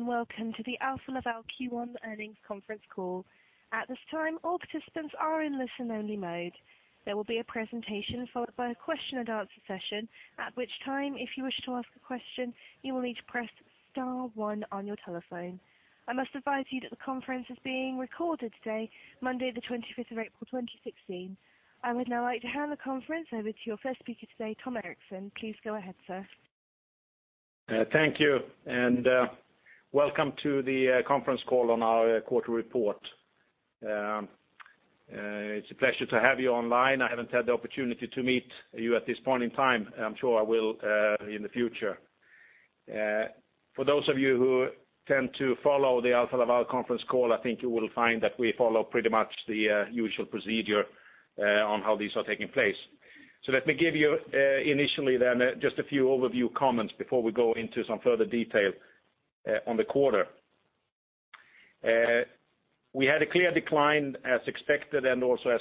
Welcome to the Alfa Laval Q1 Earnings Conference Call. At this time, all participants are in listen-only mode. There will be a presentation followed by a question and answer session, at which time, if you wish to ask a question, you will need to press star one on your telephone. I must advise you that the conference is being recorded today, Monday the 25th April 2016. I would now like to hand the conference over to your first speaker today, Tom Erixon. Please go ahead, sir. Thank you, and welcome to the conference call on our quarterly report. It's a pleasure to have you online. I haven't had the opportunity to meet you at this point in time. I'm sure I will in the future. For those of you who tend to follow the Alfa Laval conference call, I think you will find that we follow pretty much the usual procedure on how these are taking place. Let me give you initially then just a few overview comments before we go into some further detail on the quarter. We had a clear decline as expected, and also as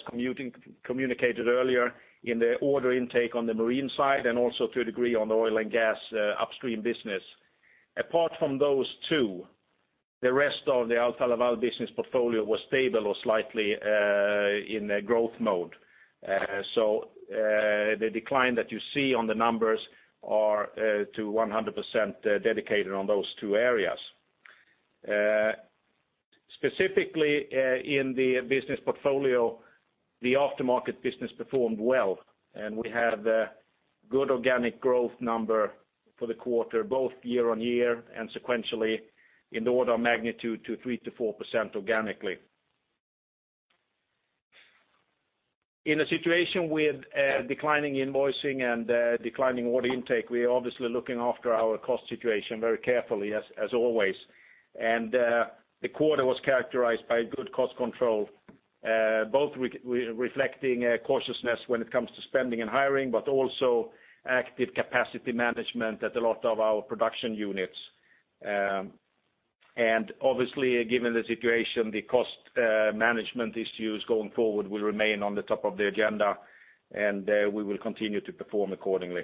communicated earlier in the order intake on the marine side and also to a degree on the oil and gas upstream business. Apart from those two, the rest of the Alfa Laval business portfolio was stable or slightly in growth mode. The decline that you see on the numbers are to 100% dedicated on those two areas. Specifically, in the business portfolio, the aftermarket business performed well, and we have a good organic growth number for the quarter, both year-on-year and sequentially in the order of magnitude to 3%-4% organically. In a situation with declining invoicing and declining order intake, we are obviously looking after our cost situation very carefully as always. The quarter was characterized by good cost control, both reflecting cautiousness when it comes to spending and hiring, but also active capacity management at a lot of our production units. Obviously, given the situation, the cost management issues going forward will remain on the top of the agenda, and we will continue to perform accordingly.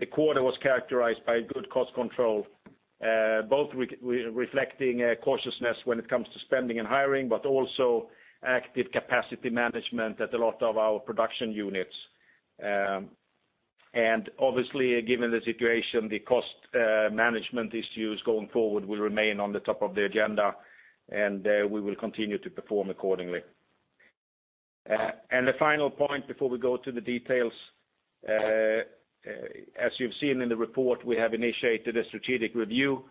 The final point before we go to the details, as you've seen in the report, we have initiated a strategic review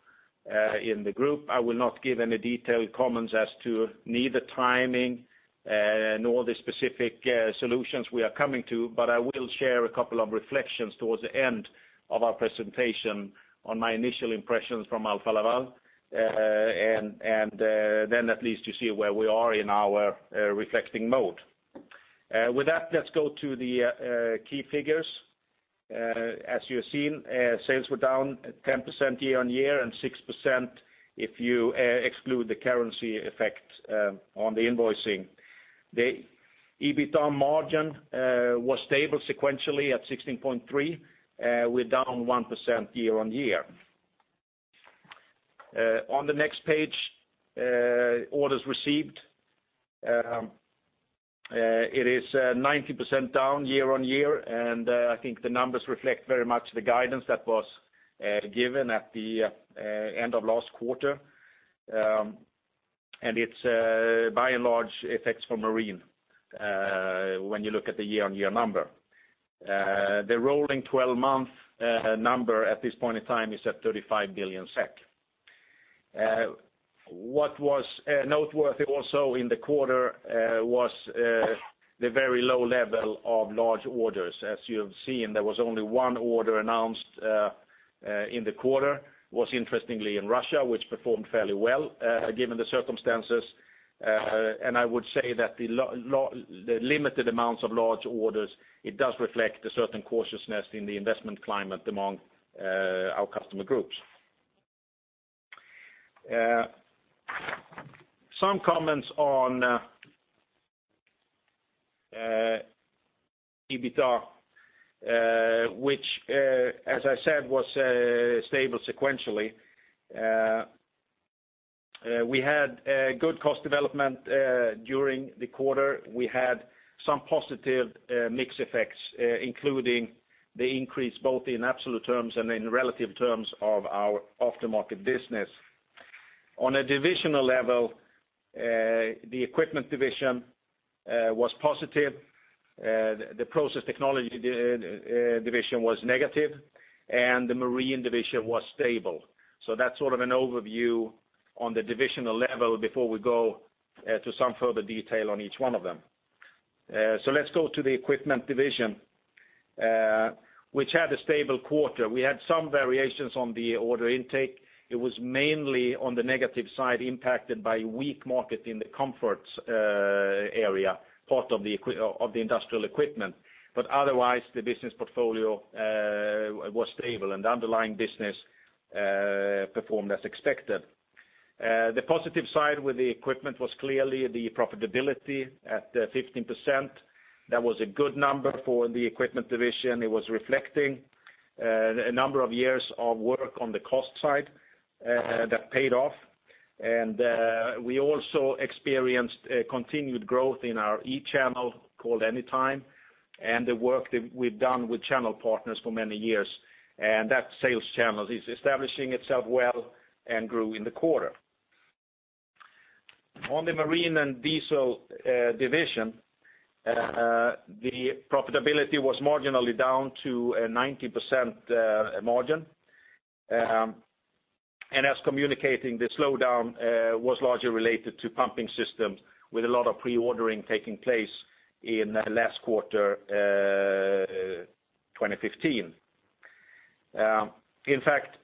in the group. I will not give any detailed comments as to neither timing nor the specific solutions we are coming to, but I will share a couple of reflections towards the end of our presentation on my initial impressions from Alfa Laval, and then at least you see where we are in our reflecting mode. With that, let's go to the key figures. It is 90% down year-on-year, I think the numbers reflect very much the guidance that was given at the end of last quarter. It's by and large effects for Marine, when you look at the year-on-year number. The rolling 12-month number at this point in time is at 35 billion SEK. What was noteworthy also in the quarter was the very low level of large orders. As you have seen, there was only one order announced in the quarter, was interestingly in Russia, which performed fairly well given the circumstances. I would say that the limited amounts of large orders, it does reflect a certain cautiousness in the investment climate among our customer groups. Some comments on EBITDA, which, as I said, was stable sequentially. We had good cost development during the quarter. We had some positive mix effects, including the increase both in absolute terms and in relative terms of our aftermarket business. On a divisional level, the Equipment Division was positive, the Process Technology Division was negative, and the marine division was stable. That's sort of an overview on the divisional level before we go to some further detail on each one of them. Let's go to the Equipment Division, which had a stable quarter. We had some variations on the order intake. It was mainly on the negative side, impacted by weak market in the comforts area, part of the industrial equipment. Otherwise, the business portfolio was stable and underlying business performed as expected. The positive side with the equipment was clearly the profitability at 15%. That was a good number for the Equipment Division. It was reflecting a number of years of work on the cost side that paid off. We also experienced a continued growth in our e-channel, called Anytime, and the work that we've done with channel partners for many years. That sales channel is establishing itself well and grew in the quarter. On the Marine & Diesel Division, the profitability was marginally down to a 19% margin. As communicating, the slowdown was largely related to pumping systems with a lot of pre-ordering taking place in the last quarter 2015. In fact,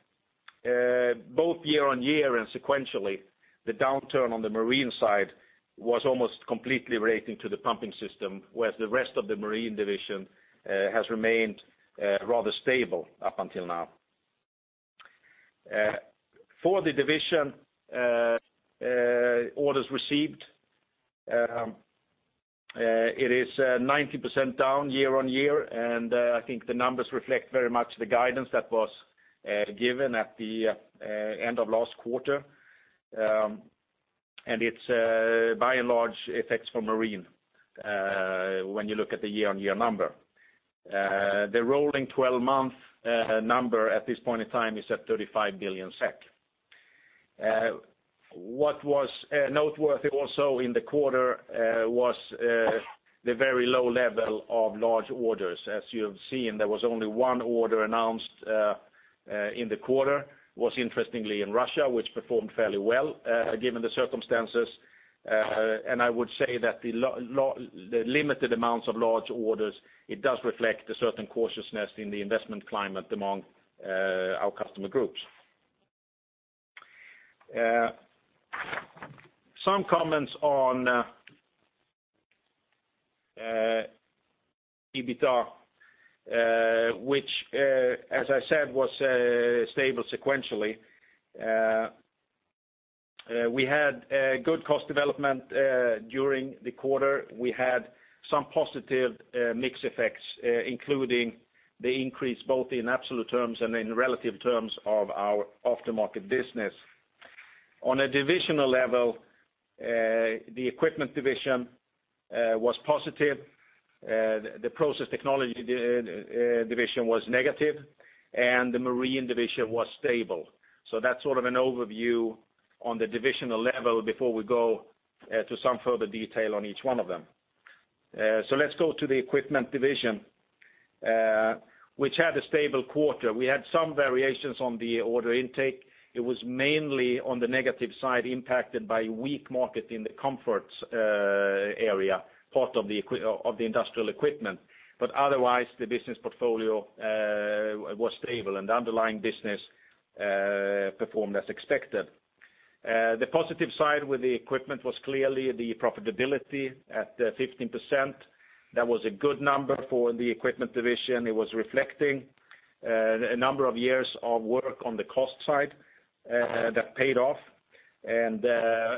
both year-on-year and sequentially, the downturn on the marine side was almost completely relating to the pumping system, whereas the rest of the marine division has remained rather stable up until now. For the division, orders received, it is 90% down year-on-year, I think the numbers reflect very much the guidance that was given at the end of last quarter. It's by and large effects for Marine, when you look at the year-on-year number. The rolling 12-month number at this point in time is at 35 billion SEK. What was noteworthy also in the quarter was the very low level of large orders. As you have seen, there was only one order announced in the quarter, was interestingly in Russia, which performed fairly well given the circumstances. I would say that the limited amounts of large orders, it does reflect a certain cautiousness in the investment climate among our customer groups. Some comments on EBITDA, which, as I said, was stable sequentially. We had good cost development during the quarter. We had some positive mix effects, including the increase both in absolute terms and in relative terms of our aftermarket business. On a divisional level, the Equipment Division was positive, the Process Technology Division was negative, and the Marine Division was stable. That's sort of an overview on the divisional level before we go to some further detail on each one of them. Let's go to the Equipment Division, which had a stable quarter. We had some variations on the order intake. It was mainly on the negative side, impacted by a weak market in the comforts area, part of the industrial equipment. Otherwise, the business portfolio was stable and the underlying business performed as expected. The positive side with the equipment was clearly the profitability at 15%. That was a good number for the Equipment Division. It was reflecting a number of years of work on the cost side that paid off.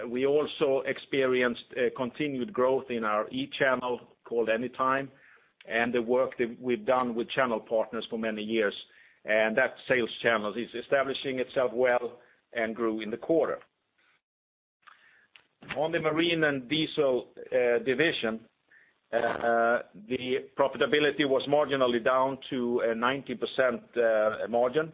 We also experienced a continued growth in our e-channel, called Anytime, and the work that we've done with channel partners for many years. That sales channel is establishing itself well and grew in the quarter. On the Marine Division, the profitability was marginally down to a 19% margin.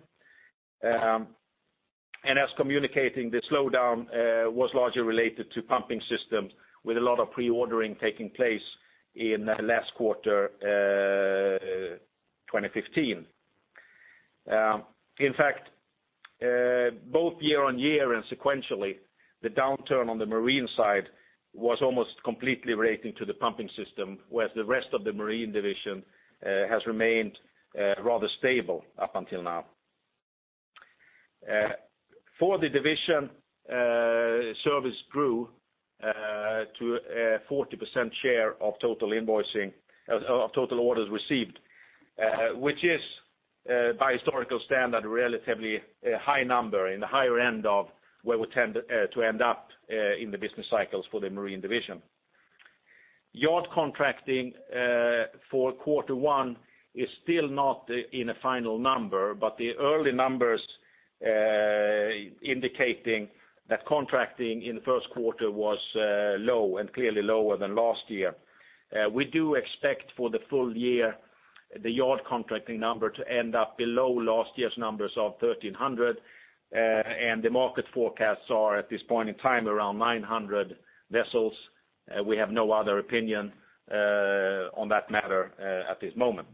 As communicating, the slowdown was largely related to pumping systems with a lot of pre-ordering taking place in last quarter 2015. In fact, both year-over-year and sequentially, the downturn on the marine side was almost completely related to the pumping system, whereas the rest of the Marine Division has remained rather stable up until now. For the division, service grew to a 40% share of total orders received, which is, by historical standard, a relatively high number, in the higher end of where we tend to end up in the business cycles for the Marine Division. Yard contracting for quarter one is still not in a final number, the early numbers indicating that contracting in the first quarter was low and clearly lower than last year. We do expect for the full year, the yard contracting number to end up below last year's numbers of 1,300, and the market forecasts are, at this point in time, around 900 vessels. We have no other opinion on that matter at this moment.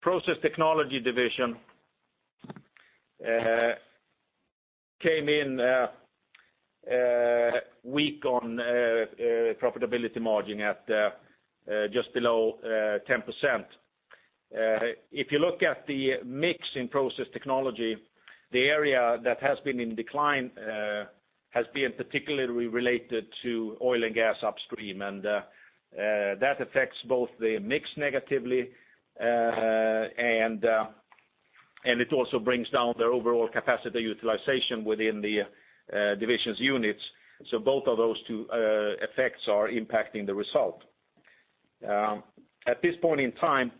Process Technology Division came in weak on profitability margin at just below 10%. If you look at the mix in Process Technology, the area that has been in decline has been particularly related to oil and gas upstream, that affects both the mix negatively, and it also brings down their overall capacity utilization within the divisions units. Both of those two effects are impacting the result. At this point in time,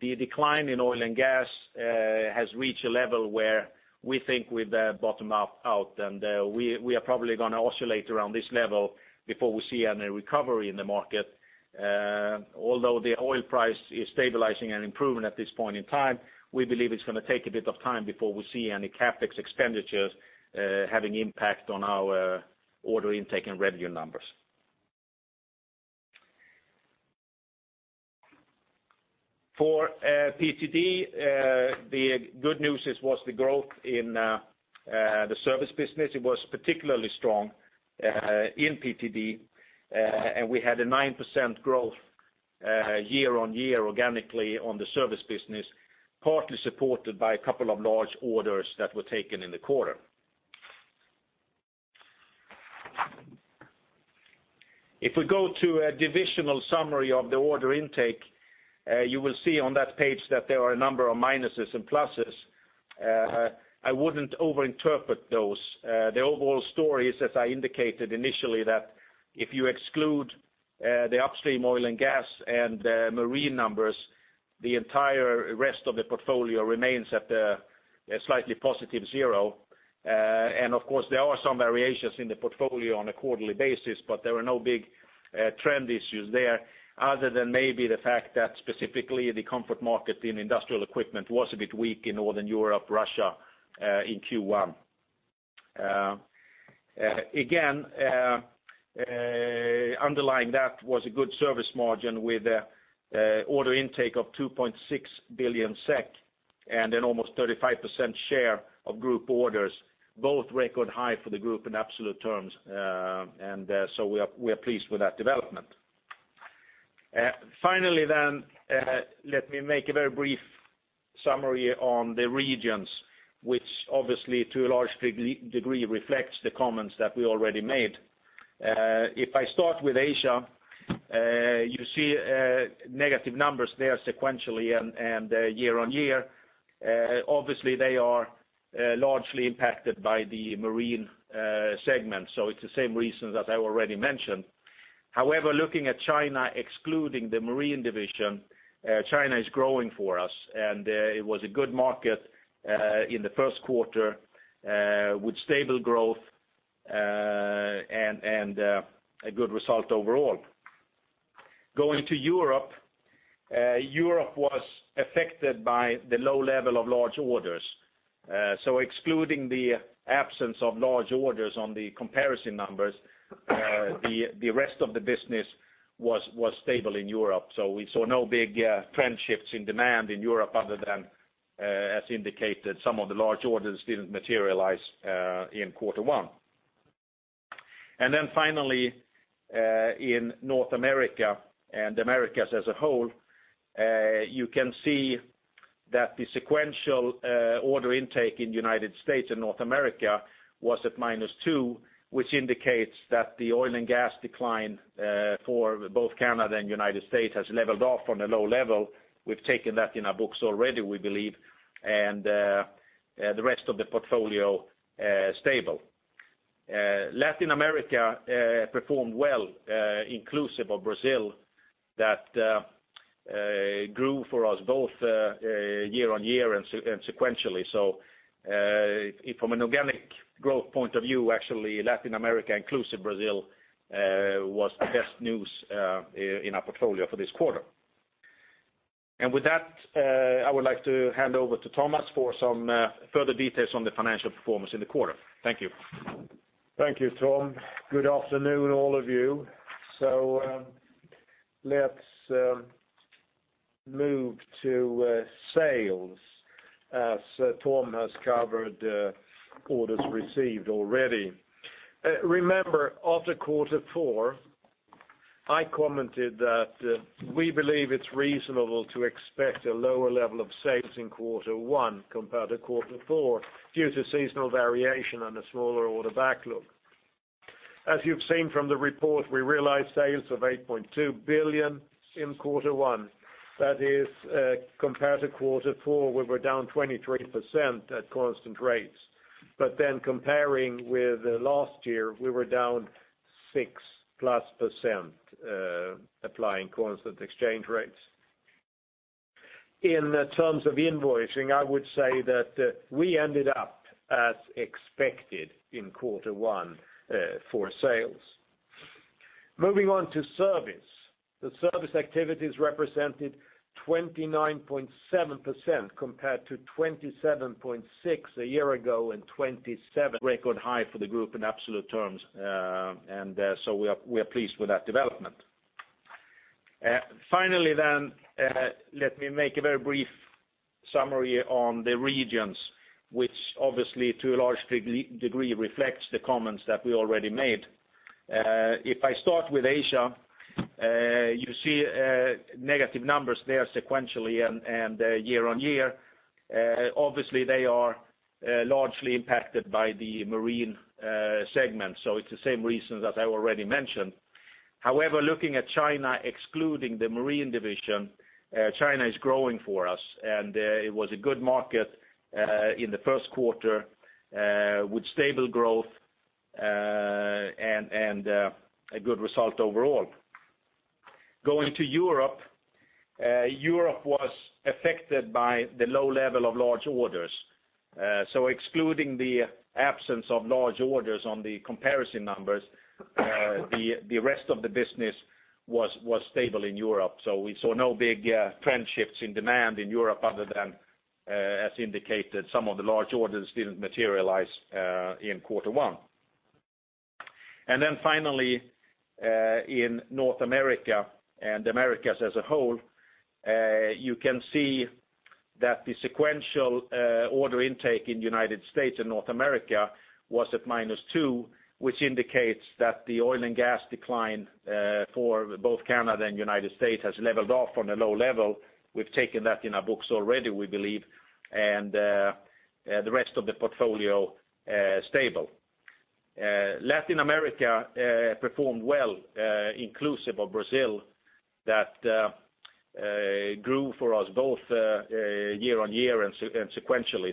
the decline in oil and gas has reached a level where we think we've bottomed out, we are probably going to oscillate around this level before we see any recovery in the market. Although the oil price is stabilizing and improving at this point in time, we believe it's going to take a bit of time before we see any CapEx expenditures having impact on our order intake and revenue numbers. For PTD, the good news was the growth in the service business. It was particularly strong in PTD. We had a 9% growth year-on-year organically on the service business, partly supported by a couple of large orders that were taken in the quarter. If we go to a divisional summary of the order intake, you will see on that page that there are a number of minuses and pluses. I wouldn't over-interpret those. The overall story is, as I indicated initially, that if you exclude the upstream oil and gas and marine numbers, the entire rest of the portfolio remains at a slightly positive zero. Of course, there are some variations in the portfolio on a quarterly basis, but there are no big trend issues there other than maybe the fact that specifically the comfort market in industrial equipment was a bit weak in Northern Europe, Russia, in Q1. Again, underlying that was a good service margin with order intake of 2.6 billion SEK and an almost 35% share of group orders, both record high for the group in absolute terms. We are pleased with that development. Finally, let me make a very brief summary on the regions, which obviously to a large degree reflects the comments that we already made. If I start with Asia, you see negative numbers there sequentially and year-on-year. Obviously, they are largely impacted by the marine segment, so it's the same reasons as I already mentioned. However, looking at China, excluding the marine division, China is growing for us, and it was a good market in the first quarter with stable growth and a good result overall. Going to Europe was affected by the low level of large orders. Excluding the absence of large orders on the comparison numbers, the rest of the business was stable in Europe. We saw no big trend shifts in demand in Europe other than, as indicated, some of the large orders didn't materialize in quarter one. Finally, in North America and Americas as a whole, you can see that the sequential order intake in the United States and North America was at -2, which indicates that the oil and gas decline for both Canada and United States has leveled off from the low level. We've taken that in our books already, we believe, and the rest of the portfolio is stable. Latin America performed well, inclusive of Brazil, that grew for us both year-on-year and sequentially. From an organic growth point of view, actually Latin America inclusive Brazil, was the best news in our portfolio for this quarter. With that, I would like to hand over to Thomas for some further details on the financial performance in the quarter. Thank you. Thank you, Tom. Good afternoon, all of you. Let's move to sales as Tom has covered orders received already. Remember, after quarter four, I commented that we believe it's reasonable to expect a lower level of sales in quarter one compared to quarter four, due to seasonal variation and a smaller order backlog. As you've seen from the report, we realized sales of 8.2 billion in quarter one. That is compared to quarter four, we were down 23% at constant rates. Comparing with last year, we were down 6%+, applying constant exchange rates. In terms of invoicing, I would say that we ended up as expected in quarter one for sales. Moving on to service. The service activities represented 29.7% compared to 27.6% a year ago and 27% record high for the group in absolute terms. We are pleased with that development. Finally, let me make a very brief summary on the regions, which obviously to a large degree reflects the comments that we already made. If I start with Asia, you see negative numbers there sequentially and year-on-year. Obviously, they are largely impacted by the marine segment. It's the same reasons as I already mentioned. However, looking at China, excluding the marine division, China is growing for us, and it was a good market in the first quarter, with stable growth, and a good result overall. Going to Europe. Europe was affected by the low level of large orders. Excluding the absence of large orders on the comparison numbers, the rest of the business was stable in Europe. We saw no big trend shifts in demand in Europe other than, as indicated, some of the large orders didn't materialize in quarter one. Finally, in North America and Americas as a whole, you can see that the sequential order intake in the U.S. and North America was at -2, which indicates that the oil and gas decline for both Canada and U.S. has leveled off from the low level. We've taken that in our books already, we believe, and the rest of the portfolio is stable. Latin America performed well, inclusive of Brazil, that grew for us both year-on-year and sequentially.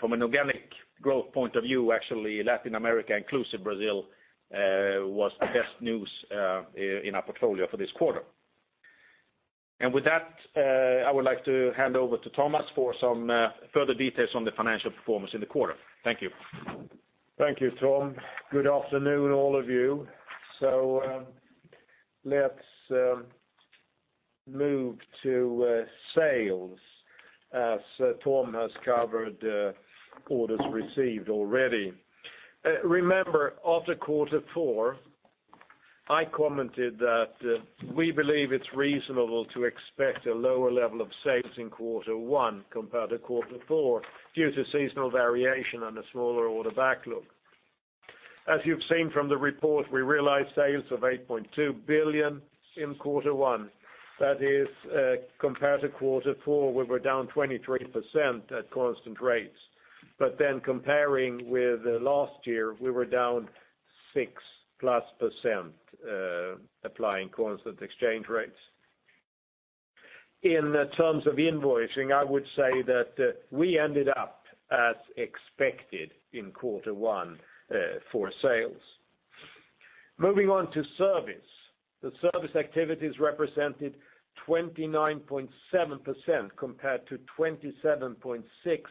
From an organic growth point of view, actually Latin America inclusive Brazil, was the best news in our portfolio for this quarter. With that, I would like to hand over to Thomas for some further details on the financial performance in the quarter. Thank you. Thank you, Tom. Good afternoon, all of you. Let's move to sales as Tom has covered orders received already. Remember, after quarter four, I commented that we believe it's reasonable to expect a lower level of sales in quarter one compared to quarter four, due to seasonal variation and a smaller order backlog. As you've seen from the report, we realized sales of 8.2 billion in quarter one. That is compared to quarter four, we were down 23% at constant rates. Comparing with last year, we were down 6%+ percent, applying constant exchange rates. In terms of invoicing, I would say that we ended up as expected in quarter one for sales. Moving on to service. The service activities represented 29.7% compared to 27.6%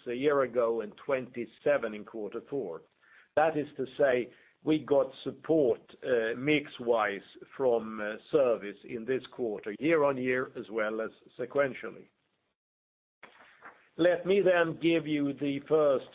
a year ago and 27% in quarter four. That is to say, we got support mix-wise from service in this quarter, year-over-year as well as sequentially. Let me then give you the first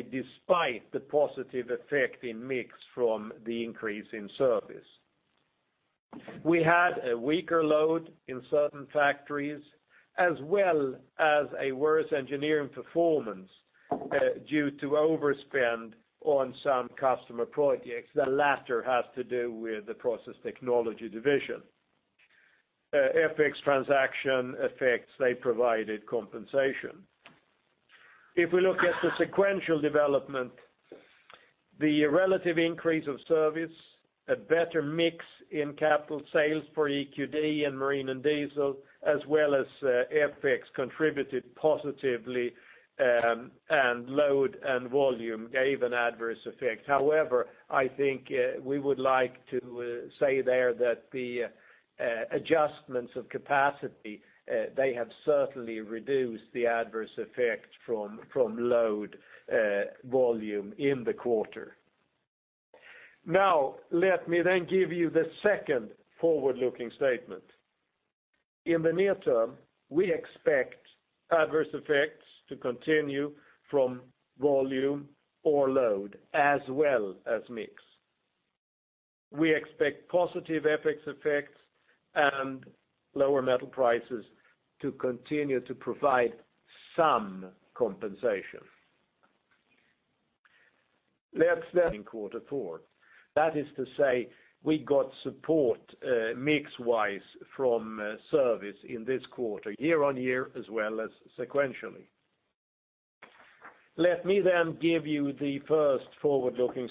forward-looking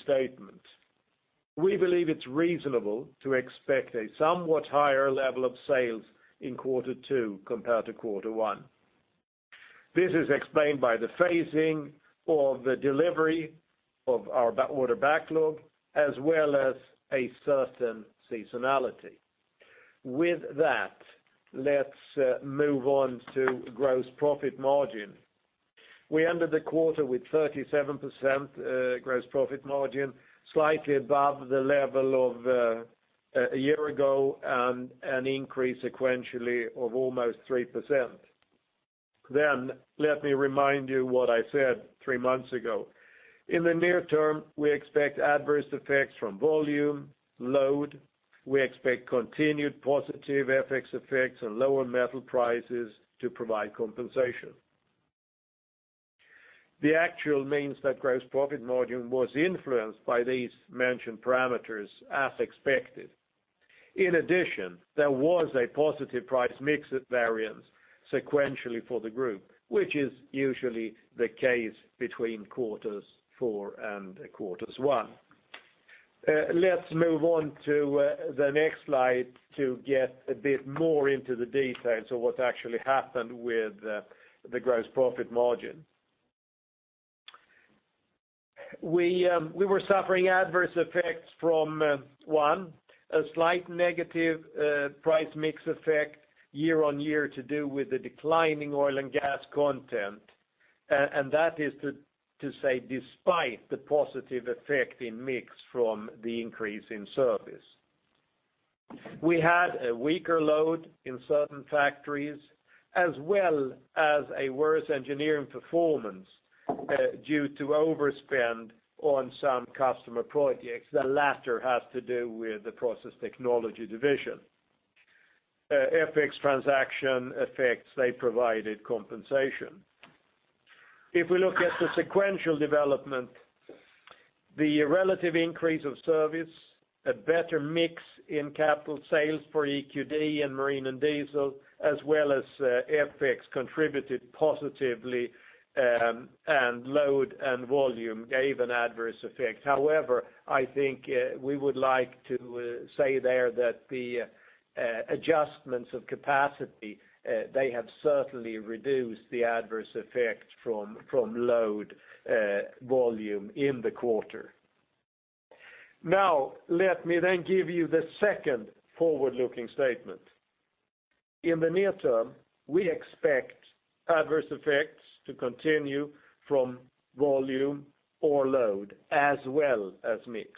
statement. We believe it's reasonable to expect a somewhat higher level of sales in quarter two compared to quarter one. This is explained by the phasing of the delivery of our order backlog, as well as a certain seasonality. With that, let's move on to gross profit margin. We ended the quarter with 37% gross profit margin, slightly above the level of a year ago, and an increase sequentially of almost 3%. Let me remind you what I said three months ago. In the near term, we expect adverse effects from volume, load. We expect continued positive FX effects and lower metal prices to provide compensation. The actual means that gross profit margin was influenced by these mentioned parameters as expected. In addition, there was a positive price mix variance sequentially for the group, which is usually the case between quarters four and quarters one. Let's move on to the next slide to get a bit more into the details of what actually happened with the gross profit margin. We were suffering adverse effects from, one, a slight negative price mix effect year-over-year to do with the declining oil and gas content, and that is to say, despite the positive effect in mix from the increase in service. We had a weaker load in certain factories, as well as a worse engineering performance due to overspend on some customer projects. The latter has to do with the Process Technology Division. FX transaction effects, they provided compensation. If we look at the sequential development, the relative increase of service, a better mix in capital sales for EQD and Marine & Diesel, as well as FX, contributed positively, to continue from volume or load as well as mix.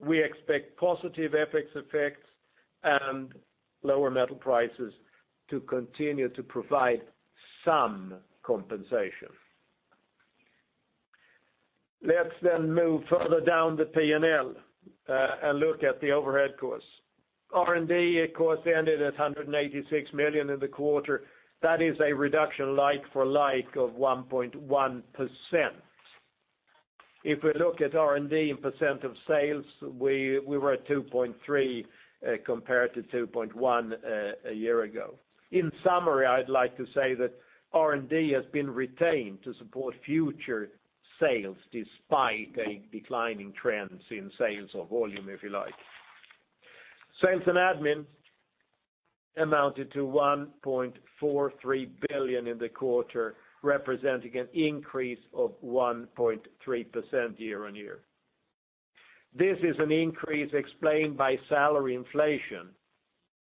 We expect positive FX effects and lower metal prices to continue to provide some compensation. Let's then move further down the P&L and look at the overhead costs. R&D, of course, ended at 186 million in the quarter. That is a reduction like for like of 1.1%. If we look at R&D in percent of sales, we were at 2.3% compared to 2.1% a year ago. In summary, I'd like to say that R&D has been retained to support future sales despite a declining trends in sales or volume, if you like. Sales and admin amounted to 1.43 billion in the quarter, representing an increase of 1.3% year-on-year. This is an increase explained by salary inflation,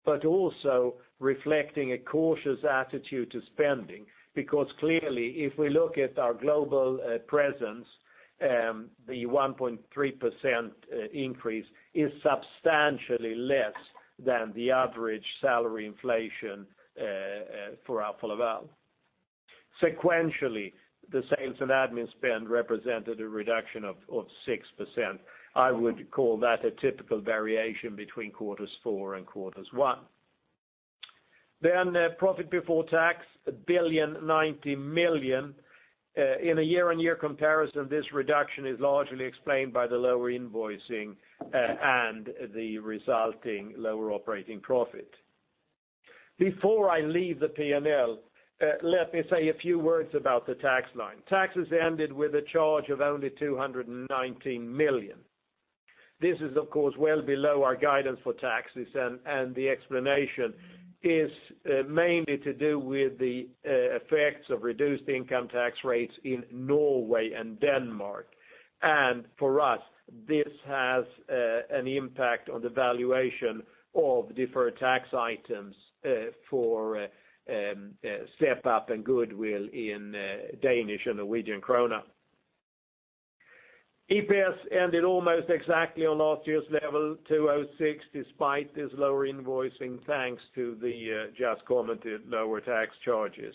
but also reflecting a cautious attitude to spending, because clearly, if we look at our global presence, the 1.3% increase is substantially less than the average salary inflation for Alfa Laval. Sequentially, the sales and admin spend represented a reduction of 6%. I would call that a typical variation between quarters four and quarters one. Profit before tax, 1.09 billion. In a year-on-year comparison, this reduction is largely explained by the lower invoicing and the resulting lower operating profit. Before I leave the P&L, let me say a few words about the tax line. Taxes ended with a charge of only 219 million. This is, of course, well below our guidance for taxes, the explanation is mainly to do with the effects of reduced income tax rates in Norway and Denmark. For us, this has an impact on the valuation of deferred tax items for step-up and goodwill in DKK and NOK. EPS ended almost exactly on last year's level, 2.06, despite this lower invoicing, thanks to the just commented lower tax charges.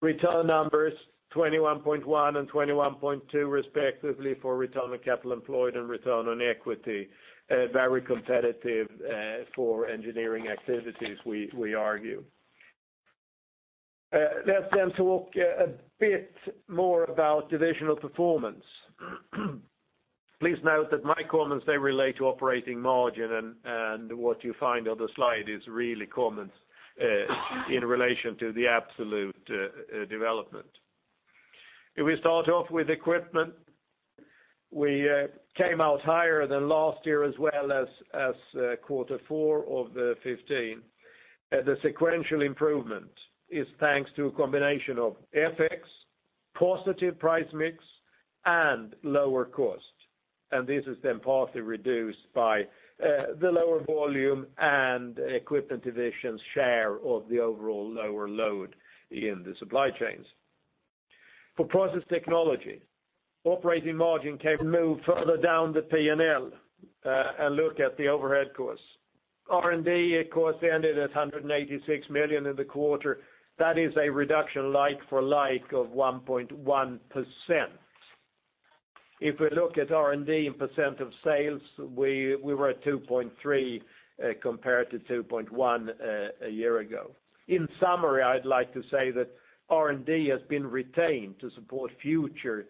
Return numbers, 21.1% and 21.2% respectively for return on capital employed and return on equity, very competitive for engineering activities, we argue. Let's then talk a bit more about divisional performance. Please note that my comments, they relate to operating margin and what you find on the slide is really comments in relation to the absolute development. If we start off with Equipment, we came out higher than last year as well as quarter 4 of 2015. The sequential improvement is thanks to a combination of FX, positive price mix, and lower cost. This is then partly reduced by the lower volume and Equipment Division's share of the overall lower load in the supply chains. For Process Technology, operating margin. Move further down the P&L and look at the overhead costs. R&D, of course, ended at 186 million in the quarter. That is a reduction like for like of 1.1%. If we look at R&D in % of sales, we were at 2.3% compared to 2.1% a year ago. In summary, I'd like to say that R&D has been retained to support future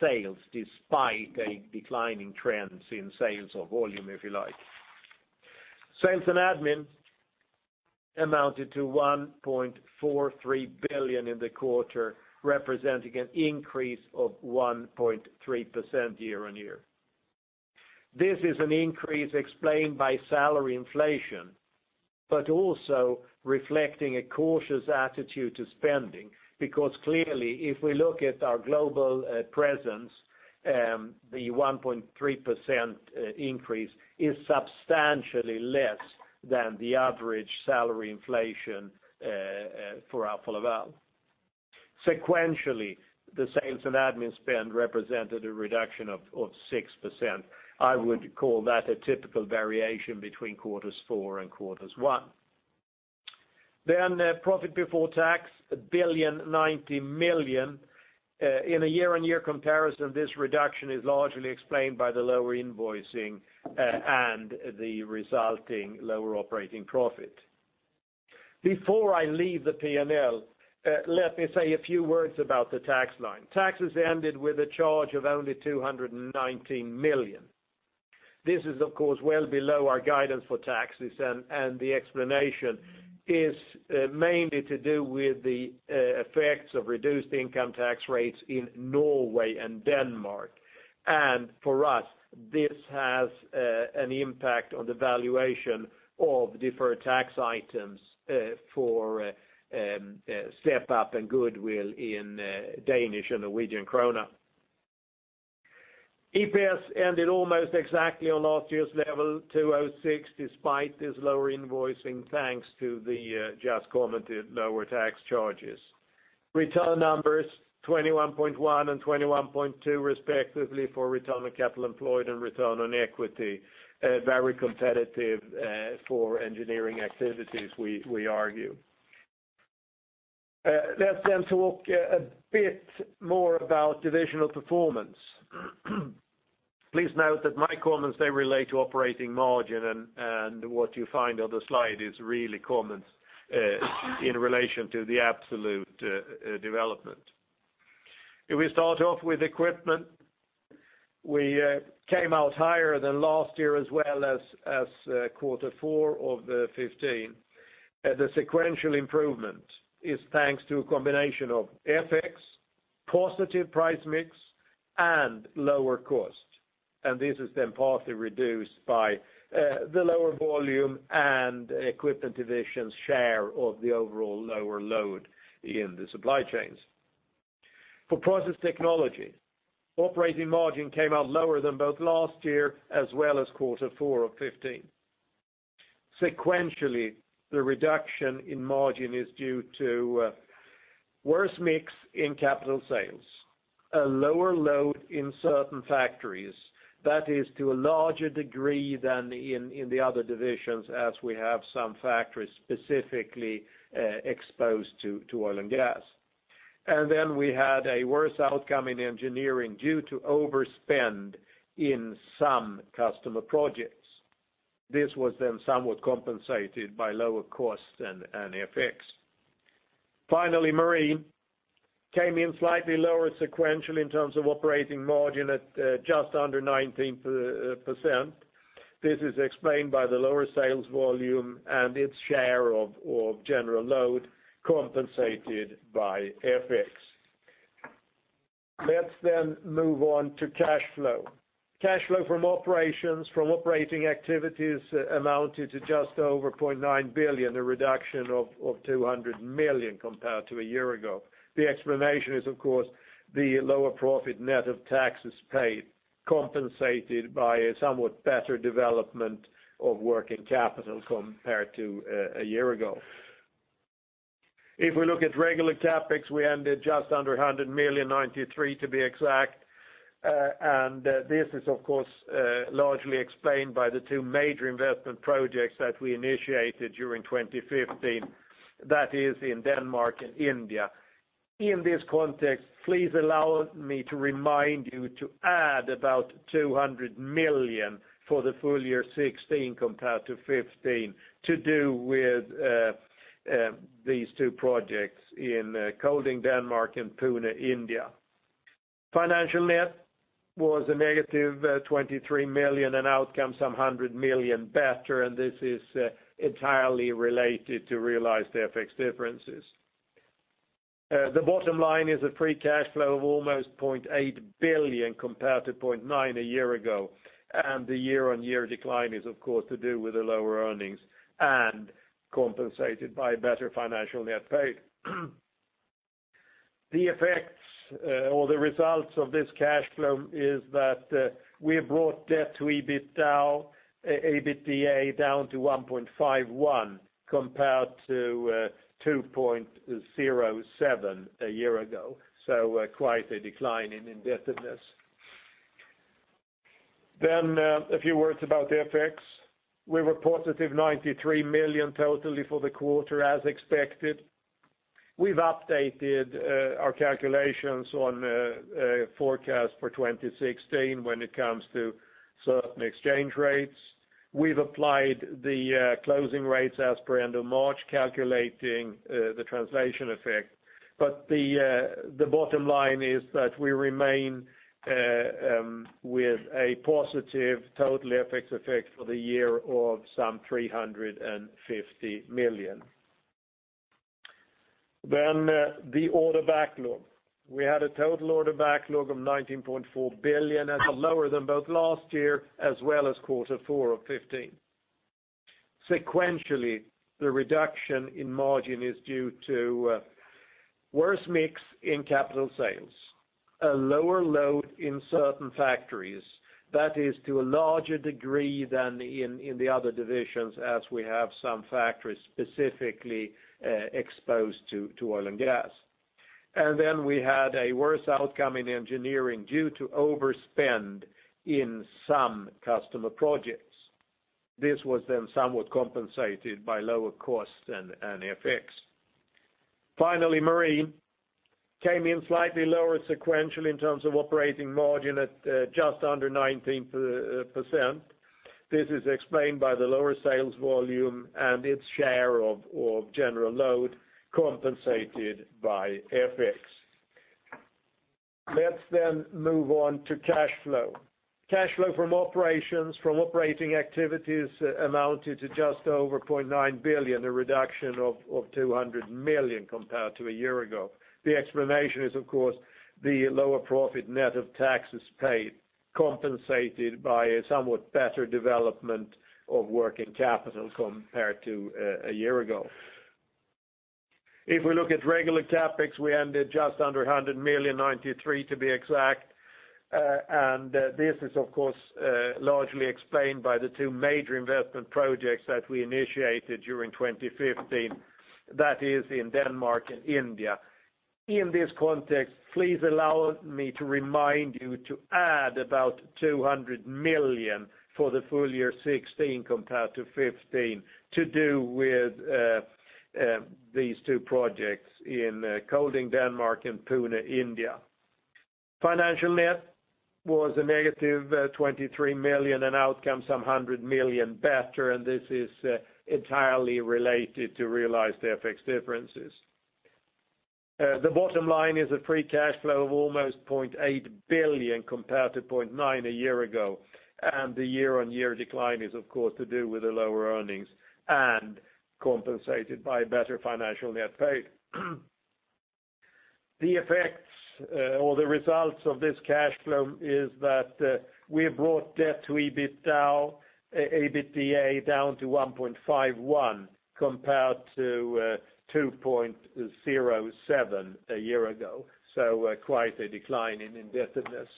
sales despite a declining trends in sales or volume, if you like. Sales and admin amounted to 1.43 billion in the quarter, representing an increase of 1.3% year-on-year. This is an increase explained by salary inflation, also reflecting a cautious attitude to spending, because clearly, if we look at our global presence, the 1.3% increase is substantially less than the average salary inflation for Alfa Laval. Sequentially, the sales and admin spend represented a reduction of 6%. I would call that a typical variation between quarters four and quarters one. Profit before tax, 1.09 billion. In a year-on-year comparison, this reduction is largely explained by the lower invoicing and the resulting lower operating profit. Before I leave the P&L, let me say a few words about the tax line. Taxes ended with a charge of only 219 million. This is, of course, well below our guidance for taxes. The explanation is mainly to do with the effects of reduced income tax rates in Norway and Denmark. For us, this has an impact on the valuation of deferred tax items for step-up and goodwill in DKK and NOK. EPS ended almost exactly on last year's level, 206, despite this lower invoicing thanks to the just commented lower tax charges. Return numbers, 21.1% and 21.2% respectively for return on capital employed and return on equity. Very competitive for engineering activities, we argue. Let's talk a bit more about divisional performance. Please note that my comments, they relate to operating margin and what you find on the slide is really comments in relation to the absolute development. If we start off with Equipment, we came out higher than last year as well as quarter 4 of 2015. The sequential improvement is thanks to a combination of FX, positive price mix, and lower cost. This is then partly reduced by the lower volume and Equipment Division's share of the overall lower load in the supply chains. For Process Technology, operating margin came out lower than both last year as well as quarter 4 of 2015. Sequentially, the reduction in margin is due to worse mix in capital sales, a lower load in certain factories. That is to a larger degree than in the other divisions, as we have some factories specifically exposed to oil and gas. Then we had a worse outcome in engineering due to overspend in some customer projects. This was then somewhat compensated by lower costs and FX. Finally, Marine came in slightly lower sequential in terms of operating margin at just under 19%. This is explained by the lower sales volume and its share of general load compensated by FX. Let's move on to cash flow. Cash flow from operations from operating activities amounted to just over 0.9 billion, a reduction of 200 million compared to a year ago. The explanation is, of course, the lower profit net of taxes paid, compensated by a somewhat better development of working capital compared to a year ago. If we look at regular CapEx, we ended just under 100 million, 93 to be exact. This is, of course, largely explained by the two major investment projects that we initiated during 2015, that is in Denmark and India. In this context, please allow me to remind you to add about 200 million for the full year 2016 compared to 2015 to do with these two projects in Kolding, Denmark and Pune, India. Financial net was a negative 23 million, an outcome some 100 million better. This is entirely related to realized FX differences. The bottom line is a free cash flow of almost 0.8 billion compared to 0.9 a year ago. The year-on-year decline is, of course, to do with the lower earnings and compensated by better financial net pay. The effects or the results of this cash flow is that we have brought debt to EBITDA down to 1.51 compared to 2.07 a year ago. Quite a decline in indebtedness. A few words about FX. We were positive 93 million totally for the quarter as expected. We've updated our calculations on forecast for 2016 when it comes to certain exchange rates. We've applied the closing rates as per end of March, calculating the translation effect. The bottom line is that we remain with a positive total FX effect for the year of some 350 million. The order backlog. We had a total order backlog of 19.4 billion, lower than both last year as well as quarter four of 2015. Sequentially, the reduction in margin is due to worse mix in capital sales, a lower load in certain factories. That is to a larger degree than in the other divisions as we have some factories specifically exposed to oil and gas. We had a worse outcome in engineering due to overspend in some customer projects. This was somewhat compensated by lower costs and FX. Finally, Marine came in slightly lower sequential in terms of operating margin at just under 19%. This is explained by the lower sales volume and its share of general load compensated by FX. Let's move on to cash flow. Cash flow from operations from operating activities amounted to just over 0.9 billion, a reduction of 200 million compared to a year ago. The explanation is, of course, the lower profit net of taxes paid, compensated by a somewhat better development of working capital compared to a year ago. If we look at regular CapEx, we ended just under 100 million, 93 to be exact. This is, of course, largely explained by the two major investment projects that we initiated during 2015. That is in Denmark and India. In this context, please allow me to remind you to add about 200 million for the full year 2016 compared to 2015 to do with these two projects in Kolding, Denmark and Pune, India. Financial net was a negative 23 million, an outcome some hundred million better, this is entirely related to realized FX differences. The bottom line is a free cash flow of almost 0.8 billion compared to 0.9 billion a year ago, and the year-on-year decline is, of course, to do with the lower earnings and compensated by better financial net paid. The effects or the results of this cash flow is that we have brought debt to EBITA down to 1.51 compared to 2.07 a year ago, so quite a decline in indebtedness.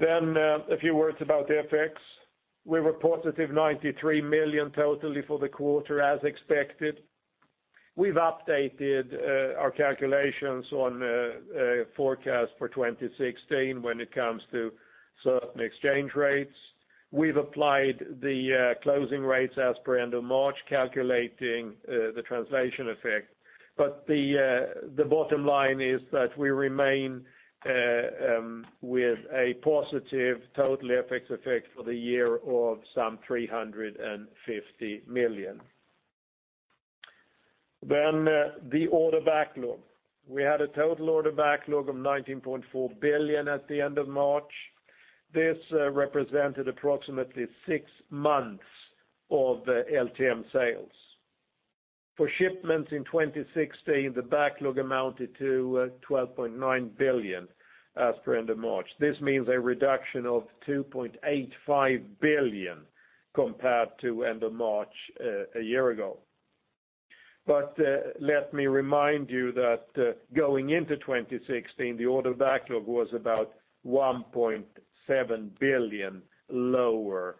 A few words about FX. We were positive 93 million totally for the quarter as expected. We've updated our calculations on the forecast for 2016 when it comes to certain exchange rates. We've applied the closing rates as per end of March, calculating the translation effect. The bottom line is that we remain with a positive total FX effect for the year of some 350 million. The order backlog. We had a total order backlog of 19.4 billion at the end of March. This represented approximately six months of LTM sales. For shipments in 2016, the backlog amounted to 12.9 billion as per end of March. This means a reduction of 2.85 billion compared to end of March a year ago. Let me remind you that going into 2016, the order backlog was about 1.7 billion lower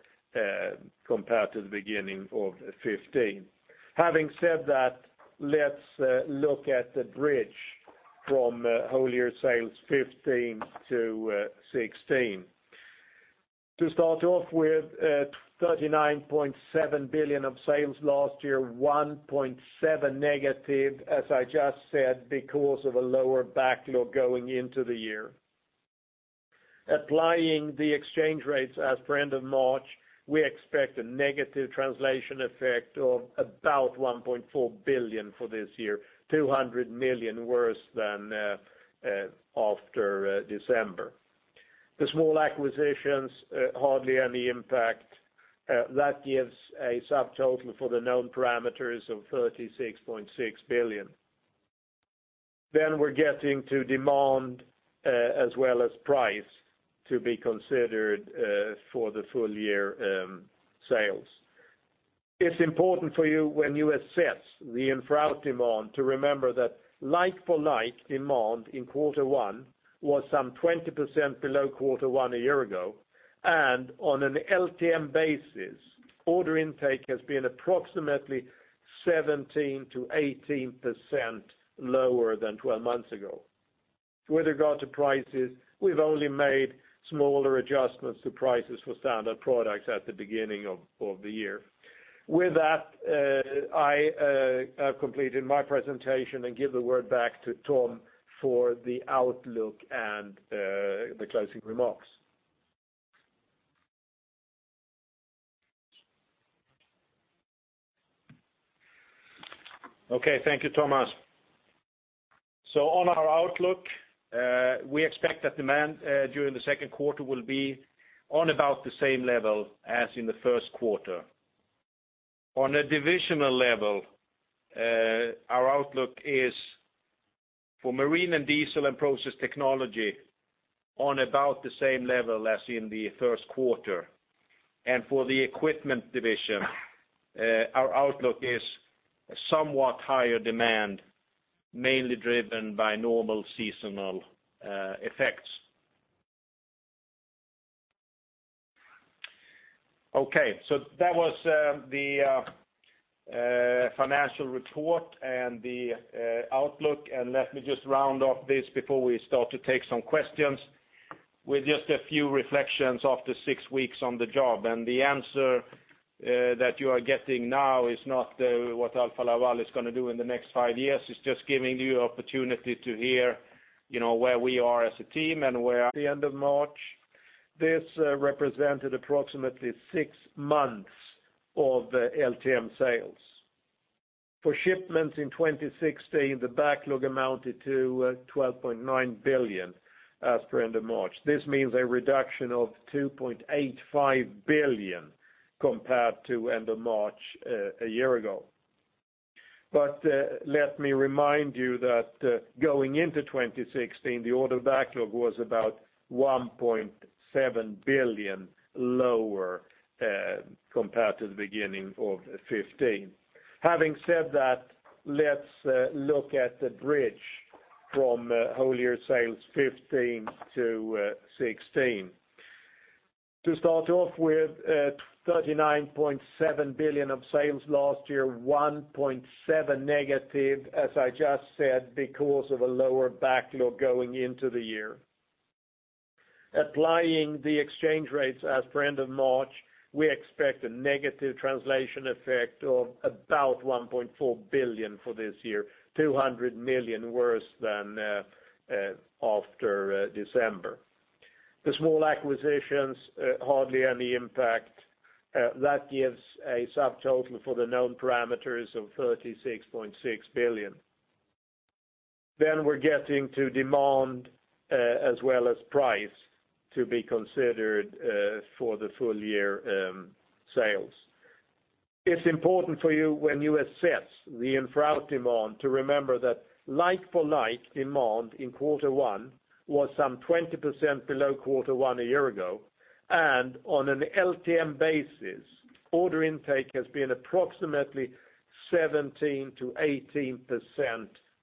compared to the beginning of 2015. Having said that, let's look at the bridge from whole year sales 2015 to 2016. 39.7 billion of sales last year, 1.7 billion negative, as I just said, because of a lower backlog going into the year. Applying the exchange rates as per end of March, we expect a negative translation effect of about 1.4 billion for this year, 200 million worse than after December. The small acquisitions, hardly any impact. That gives a subtotal for the known parameters of 36.6 billion. We're getting to demand, as well as price to be considered for the full year sales. It's important for you when you assess the in-flow demand to remember that like for like demand in quarter one was some 20% below quarter one a year ago, and on an LTM basis, order intake has been approximately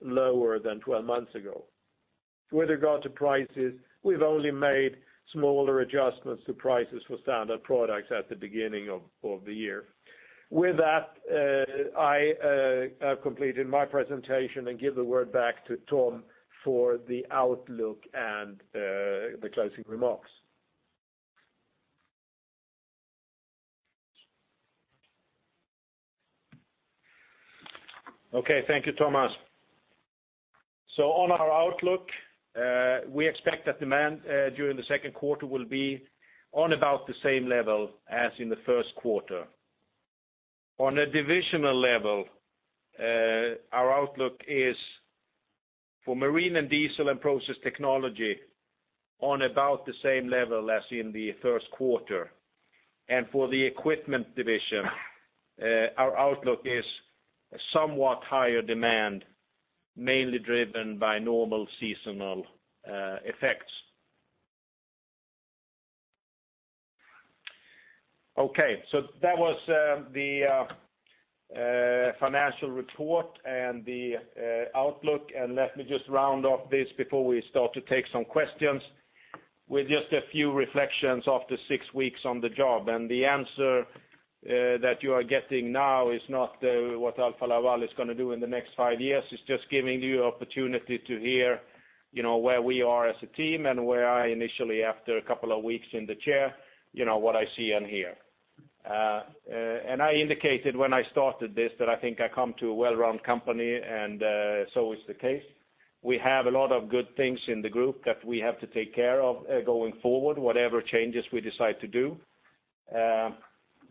lower than 12 months ago. With regard to prices, we've only made smaller adjustments to prices for standard products at the beginning of the year. With that, I have completed my presentation and give the word back to Tom for the outlook and the closing remarks. Thank you, Thomas. On our outlook, we expect that demand during the second quarter will be on about the same level as in the first quarter. On a divisional level, our outlook is for Marine & Diesel and Process Technology on about the same level as in the first quarter. For the Equipment Division, our outlook is somewhat higher demand, mainly driven by normal seasonal effects. That was the financial report and the outlook, and let me just round off this before we start to take some questions. With just a few reflections after 6 weeks on the job,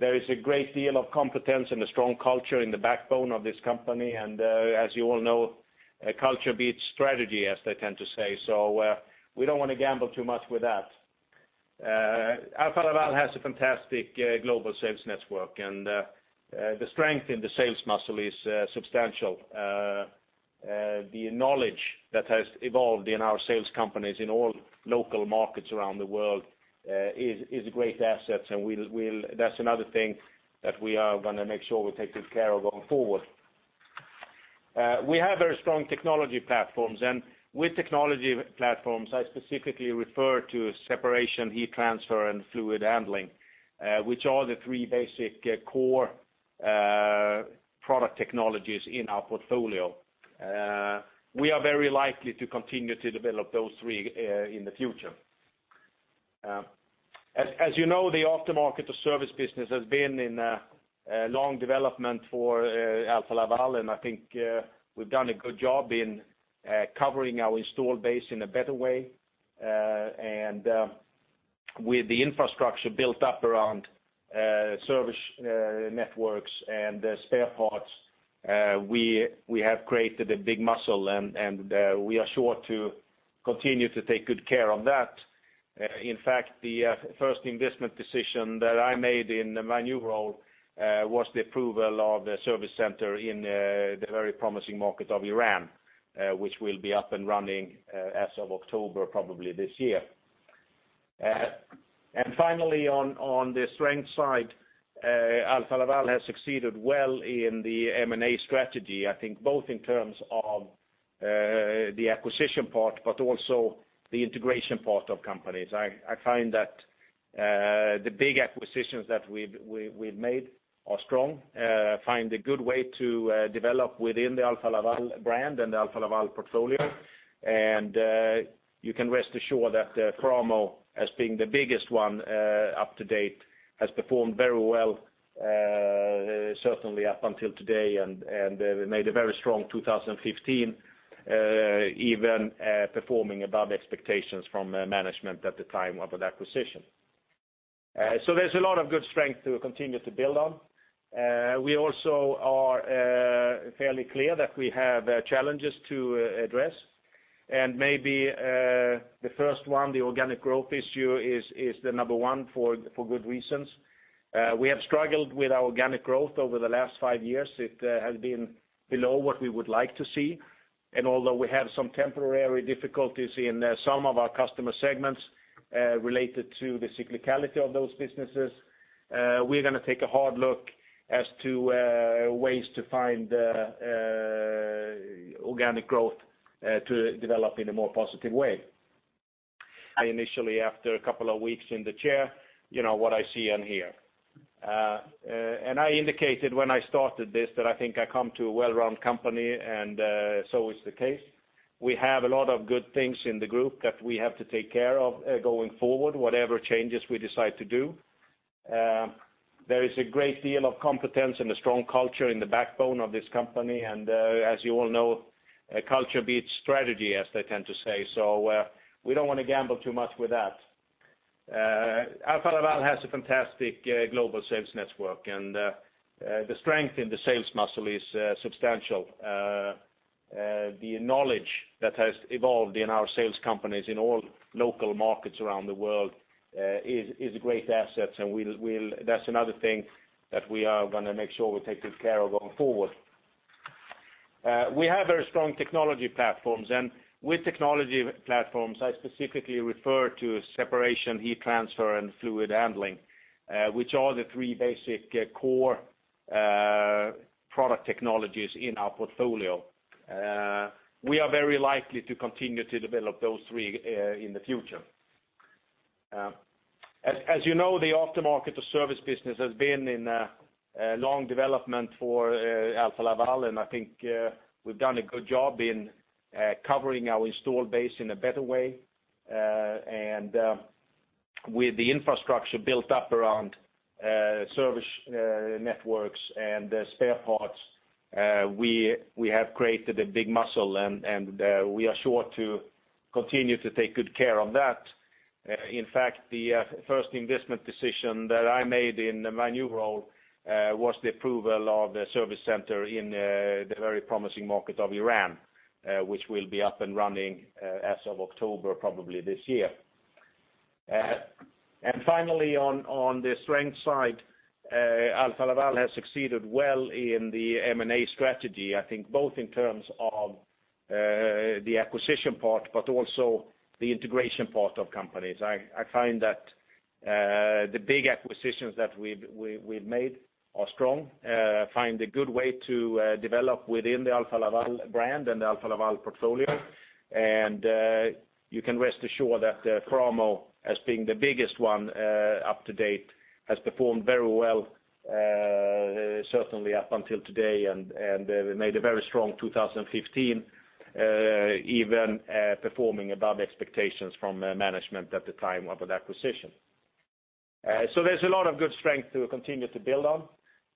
There is a great deal of competence and a strong culture in the backbone of this company, and as you all know, culture beats strategy, as they tend to say. We don't want to gamble too much with that. Alfa Laval has a fantastic global sales network, and the strength in the sales muscle is substantial. The knowledge that has evolved in our sales companies in all local markets around the world is a great asset, and that's another thing that we are going to make sure we're taking care of going forward. We have very strong technology platforms, and with technology platforms, I specifically refer to separation, heat transfer, and fluid handling, which are the three basic core product technologies in our portfolio. We are very likely to continue to develop those three in the future. As you know, the aftermarket to service business has been in long development for Alfa Laval, and I think we've done a good job in covering our install base in a better way. And with the infrastructure built up around service networks and spare parts, we have created a big muscle, and we are sure to continue to take good care of that. In fact, the first investment decision that I made in my new role was the approval of the service center in the very promising market of Iran, which will be up and running as of October probably this year. Finally, on the strength side, Alfa Laval has succeeded well in the M&A strategy, I think both in terms of the acquisition part, but also the integration part of companies. I find that the big acquisitions that we've made are strong, find a good way to develop within the Alfa Laval brand and the Alfa Laval portfolio. You can rest assured that Framo, as being the biggest one up to date, has performed very well certainly up until today, and made a very strong 2015, even performing above expectations from management at the time of that acquisition. There's a lot of good strength to continue to build on. We also are fairly clear that we have challenges to address. And maybe the first one, the organic growth issue, is the number one for good reasons. We have struggled with our organic growth over the last five years. It has been below what we would like to see.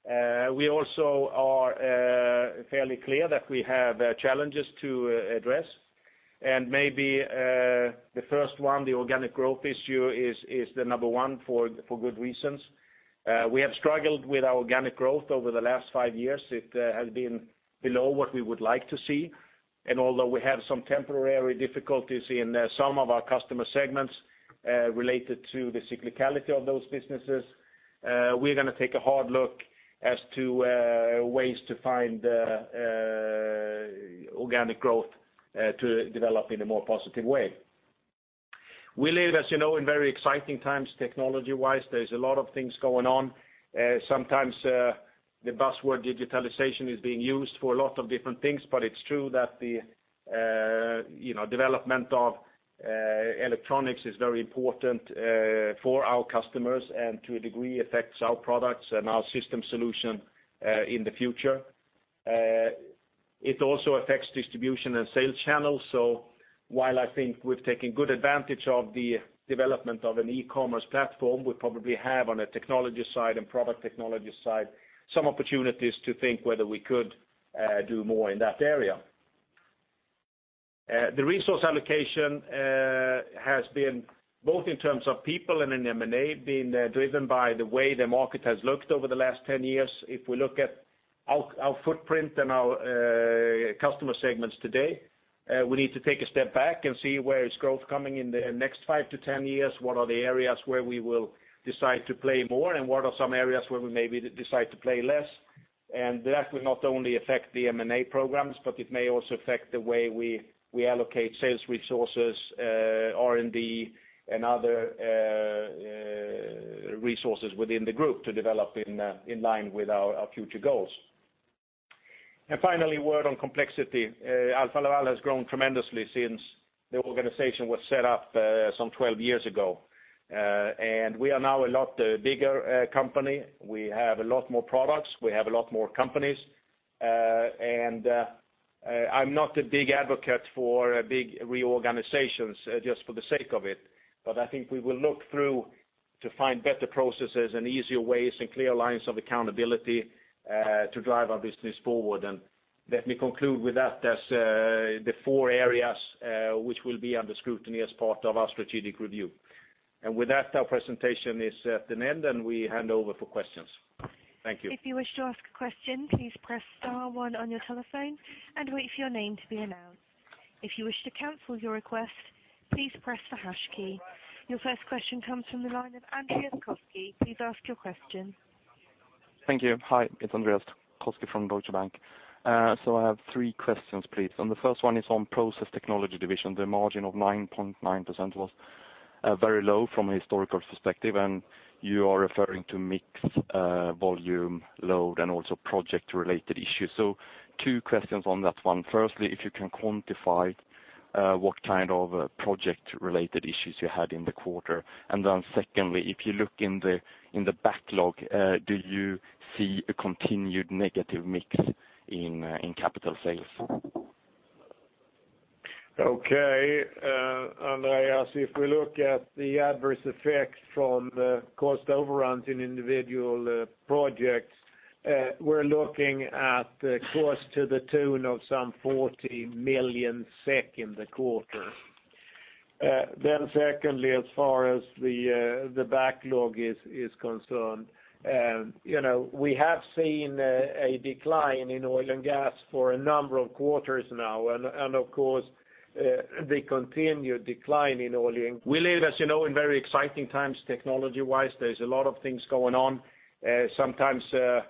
Although we have some temporary difficulties in some of our customer segments related to the cyclicality of those businesses, we're going to take a hard look as to ways to find organic growth to develop in a more positive way. We live, as you know, in very exciting times technology-wise. There's a lot of things going on. Sometimes the buzzword digitalization is being used for a lot of different things, but it's true that the development of electronics is very important for our customers and to a degree affects our products and our system solution in the future. It also affects distribution and sales channels. While I think we've taken good advantage of the development of an e-commerce platform, we probably have on a technology side and product technology side some opportunities to think whether we could do more in that area. The resource allocation has been both in terms of people and in M&A, being driven by the way the market has looked over the last 10 years. If we look at our footprint and our customer segments today, we need to take a step back and see where is growth coming in the next 5 to 10 years, what are the areas where we will decide to play more, and what are some areas where we maybe decide to play less. That will not only affect the M&A programs, but it may also affect the way we allocate sales resources, R&D, and other resources within the group to develop in line with our future goals. Finally, a word on complexity. Alfa Laval has grown tremendously since the organization was set up some 12 years ago. We are now a lot bigger company. We have a lot more products. We have a lot more companies. I'm not a big advocate for big reorganizations just for the sake of it, but I think we will look through to find better processes and easier ways and clear lines of accountability to drive our business forward. Let me conclude with that as the four areas which will be under scrutiny as part of our strategic review. With that, our presentation is at an end, and we hand over for questions. Thank you. If you wish to ask a question, please press star one on your telephone and wait for your name to be announced. If you wish to cancel your request, please press the hash key. Your first question comes from the line of Andreas Koski. Please ask your question. Thank you. Hi, it's Andreas Koski from Deutsche Bank. I have three questions, please. The first one is on Process Technology division. The margin of 9.9% was very low from a historical perspective, and you are referring to mix, volume load, and also project-related issues. Two questions on that one. Firstly, if you can quantify what kind of project-related issues you had in the quarter, and then secondly, if you look in the backlog, do you see a continued negative mix in capital sales? Okay. Andreas, if we look at the adverse effect from the cost overruns in individual projects, we're looking at cost to the tune of some 40 million SEK in the quarter. Secondly, as far as the backlog is concerned, we have seen a decline in oil and gas for a number of quarters now. The continued decline in oil and gas. We live, as you know, in very exciting times, technology-wise. There's a lot of things going on. Sometimes, the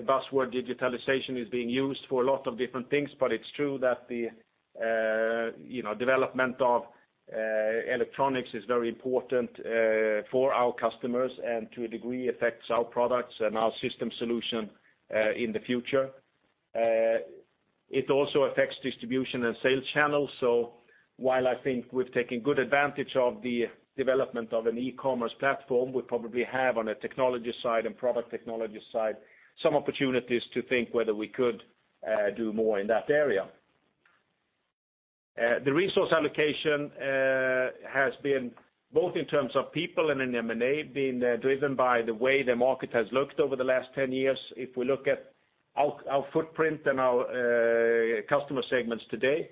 buzzword digitalization is being used for a lot of different things, but it's true that the development of electronics is very important for our customers and to a degree affects our products and our system solution in the future. It also affects distribution and sales channels. While I think we've taken good advantage of the development of an e-commerce platform, we probably have, on a technology side and product technology side, some opportunities to think whether we could do more in that area. The resource allocation has been, both in terms of people and in M&A, been driven by the way the market has looked over the last 10 years. If we look at our footprint and our customer segments today,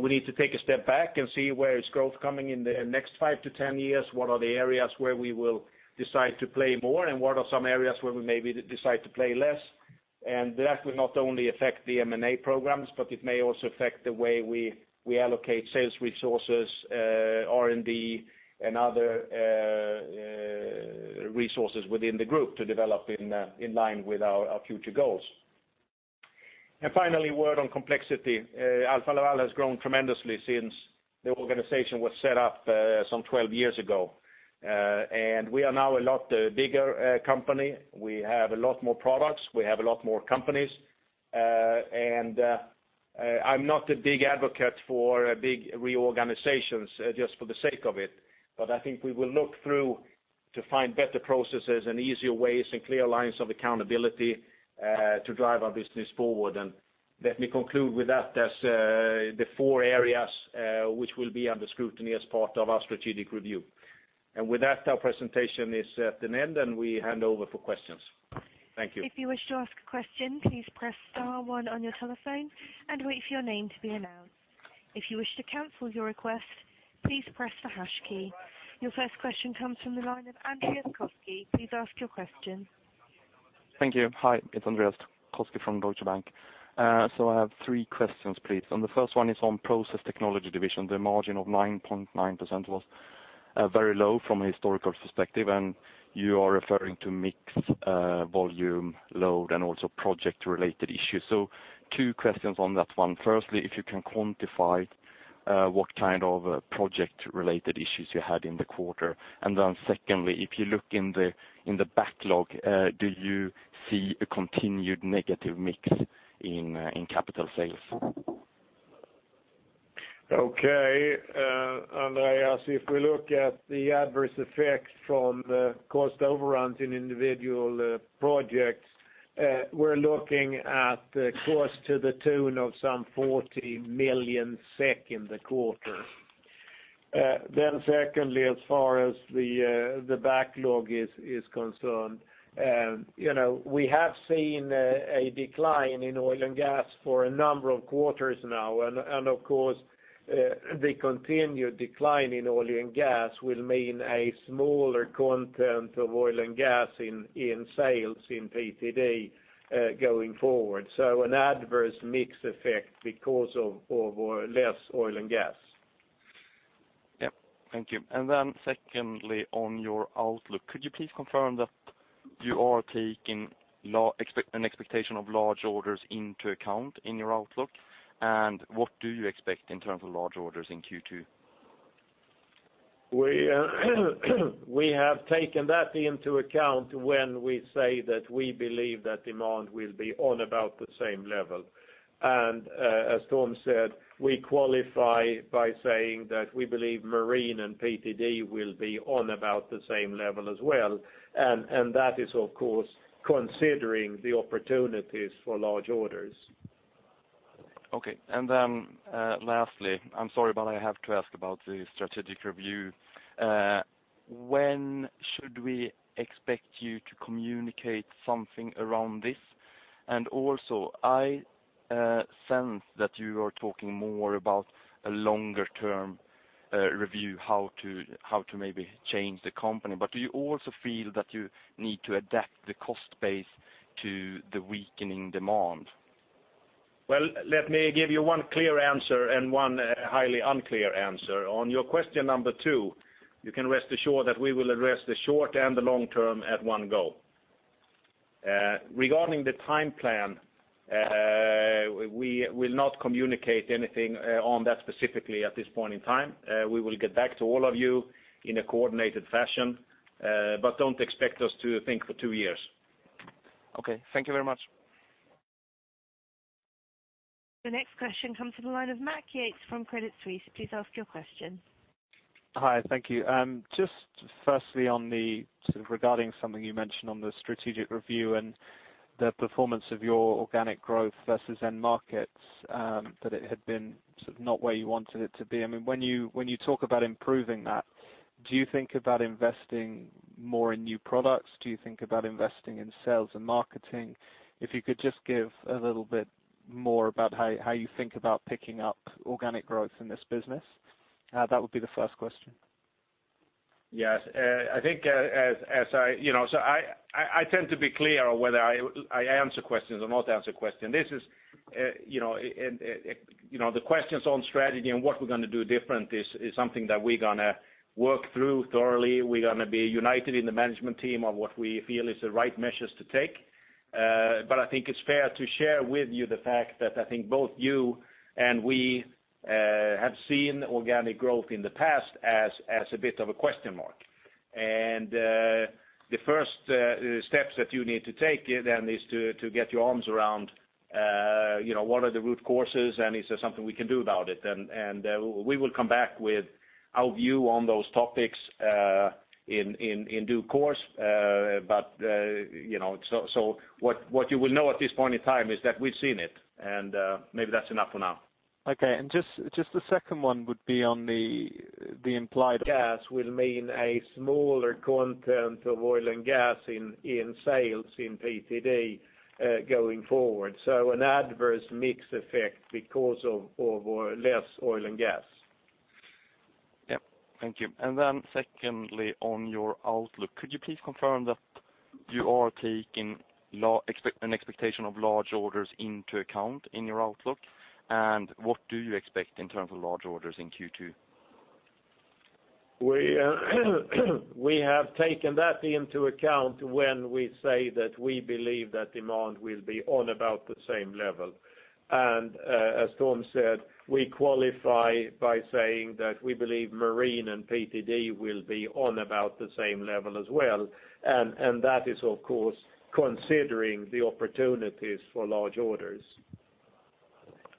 we need to take a step back and see where is growth coming in the next five to 10 years, what are the areas where we will decide to play more, and what are some areas where we maybe decide to play less. That will not only affect the M&A programs, but it may also affect the way we allocate sales resources, R&D, and other resources within the group to develop in line with our future goals. Finally, a word on complexity. Alfa Laval has grown tremendously since the organization was set up some 12 years ago. We are now a lot bigger company. We have a lot more products. We have a lot more companies. I'm not a big advocate for big reorganizations just for the sake of it, but I think we will look through to find better processes and easier ways and clear lines of accountability to drive our business forward. Let me conclude with that as the four areas which will be under scrutiny as part of our strategic review. With that, our presentation is at an end, and we hand over for questions. Thank you. If you wish to ask a question, please press star one on your telephone and wait for your name to be announced. If you wish to cancel your request, please press the hash key. Your first question comes from the line of Andreas Koski. Please ask your question. Thank you. Hi, it's Andreas Koski from Deutsche Bank. I have three questions, please. The first one is on Process Technology Division. The margin of 9.9% was very low from a historical perspective, you are referring to mix, volume load, and also project-related issues. Two questions on that one. Firstly, if you can quantify what kind of project-related issues you had in the quarter, secondly, if you look in the backlog, do you see a continued negative mix in capital sales? Okay. Andreas, if we look at the adverse effect from the cost overruns in individual projects, we're looking at cost to the tune of some 40 million SEK in the quarter. Secondly, as far as the backlog is concerned, we have seen a decline in oil and gas for a number of quarters now. Of course, the continued decline in oil and gas will mean a smaller content of oil and gas in sales in PTD going forward. An adverse mix effect because of less oil and gas. Yep. Thank you. Secondly, on your outlook, could you please confirm that you are taking an expectation of large orders into account in your outlook? What do you expect in terms of large orders in Q2? We have taken that into account when we say that we believe that demand will be on about the same level. As Tom said, we qualify by saying that we believe Marine and PTD will be on about the same level as well. That is, of course, considering the opportunities for large orders. Okay. Lastly, I'm sorry, but I have to ask about the strategic review. When should we expect you to communicate something around this? Also, I sense that you are talking more about a longer-term review, how to maybe change the company. Do you also feel that you need to adapt the cost base to the weakening demand? Well, let me give you one clear answer and one highly unclear answer. On your question number 2, you can rest assured that we will address the short and the long term at one go. Regarding the time plan, we will not communicate anything on that specifically at this point in time. We will get back to all of you in a coordinated fashion, but don't expect us to think for two years. Okay. Thank you very much. The next question comes from the line of Max Yates from Credit Suisse. Please ask your question. Firstly, regarding something you mentioned on the strategic review and the performance of your organic growth versus end markets, that it had been not where you wanted it to be. When you talk about improving that, do you think about investing more in new products? Do you think about investing in sales and marketing? If you could just give a little bit more about how you think about picking up organic growth in this business. That would be the first question. Yes. I tend to be clear on whether I answer questions or not answer question. The questions on strategy and what we're going to do different is something that we're going to work through thoroughly. We're going to be united in the management team on what we feel is the right measures to take. I think it's fair to share with you the fact that I think both you and we have seen organic growth in the past as a bit of a question mark. The first steps that you need to take then is to get your arms around what are the root causes, and is there something we can do about it? We will come back with our view on those topics in due course. What you will know at this point in time is that we've seen it, and maybe that's enough for now. Okay. Just the second one would be on the. Gas will mean a smaller content of oil and gas in sales in PTD, going forward. An adverse mix effect because of less oil and gas. Yep. Thank you. Secondly, on your outlook, could you please confirm that you are taking an expectation of large orders into account in your outlook? What do you expect in terms of large orders in Q2? We have taken that into account when we say that we believe that demand will be on about the same level. As Tom said, we qualify by saying that we believe Marine and PTD will be on about the same level as well. That is, of course, considering the opportunities for large orders.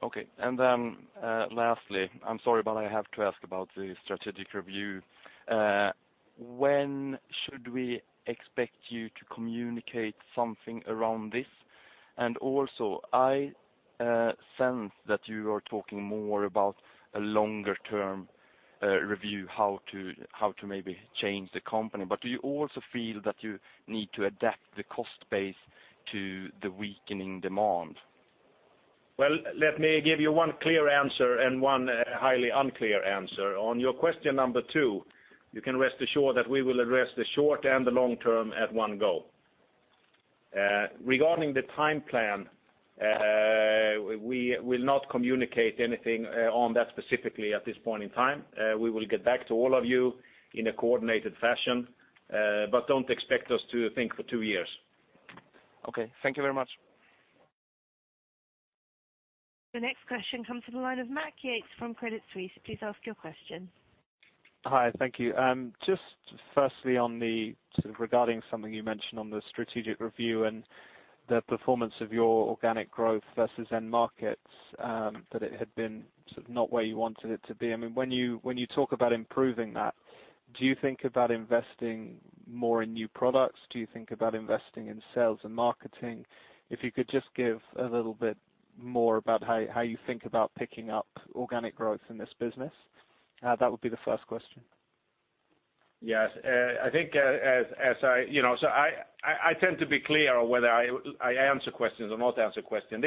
Okay. Lastly, I'm sorry, but I have to ask about the strategic review. When should we expect you to communicate something around this? I sense that you are talking more about a longer-term review, how to maybe change the company. Do you also feel that you need to adapt the cost base to the weakening demand? Well, let me give you one clear answer and one highly unclear answer. On your question number 2, you can rest assured that we will address the short and the long term at one go. Regarding the time plan, we will not communicate anything on that specifically at this point in time. We will get back to all of you in a coordinated fashion, don't expect us to think for two years. Okay. Thank you very much. The next question comes from the line of Max Yates from Credit Suisse. Please ask your question. Hi. Thank you. Just firstly, regarding something you mentioned on the strategic review and the performance of your organic growth versus end markets, that it had been not where you wanted it to be. When you talk about improving that, do you think about investing more in new products? Do you think about investing in sales and marketing? If you could just give a little bit more about how you think about picking up organic growth in this business. That would be the first question. Yes. I tend to be clear on whether I answer questions or not answer question.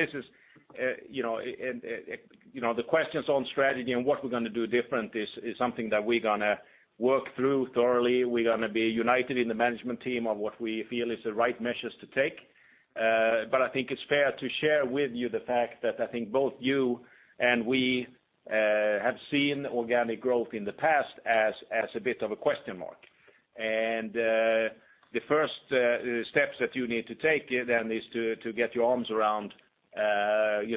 The questions on strategy and what we're going to do different is something that we're going to work through thoroughly. We're going to be united in the management team on what we feel is the right measures to take. I think it's fair to share with you the fact that I think both you and we have seen organic growth in the past as a bit of a question mark. The first steps that you need to take then is to get your arms around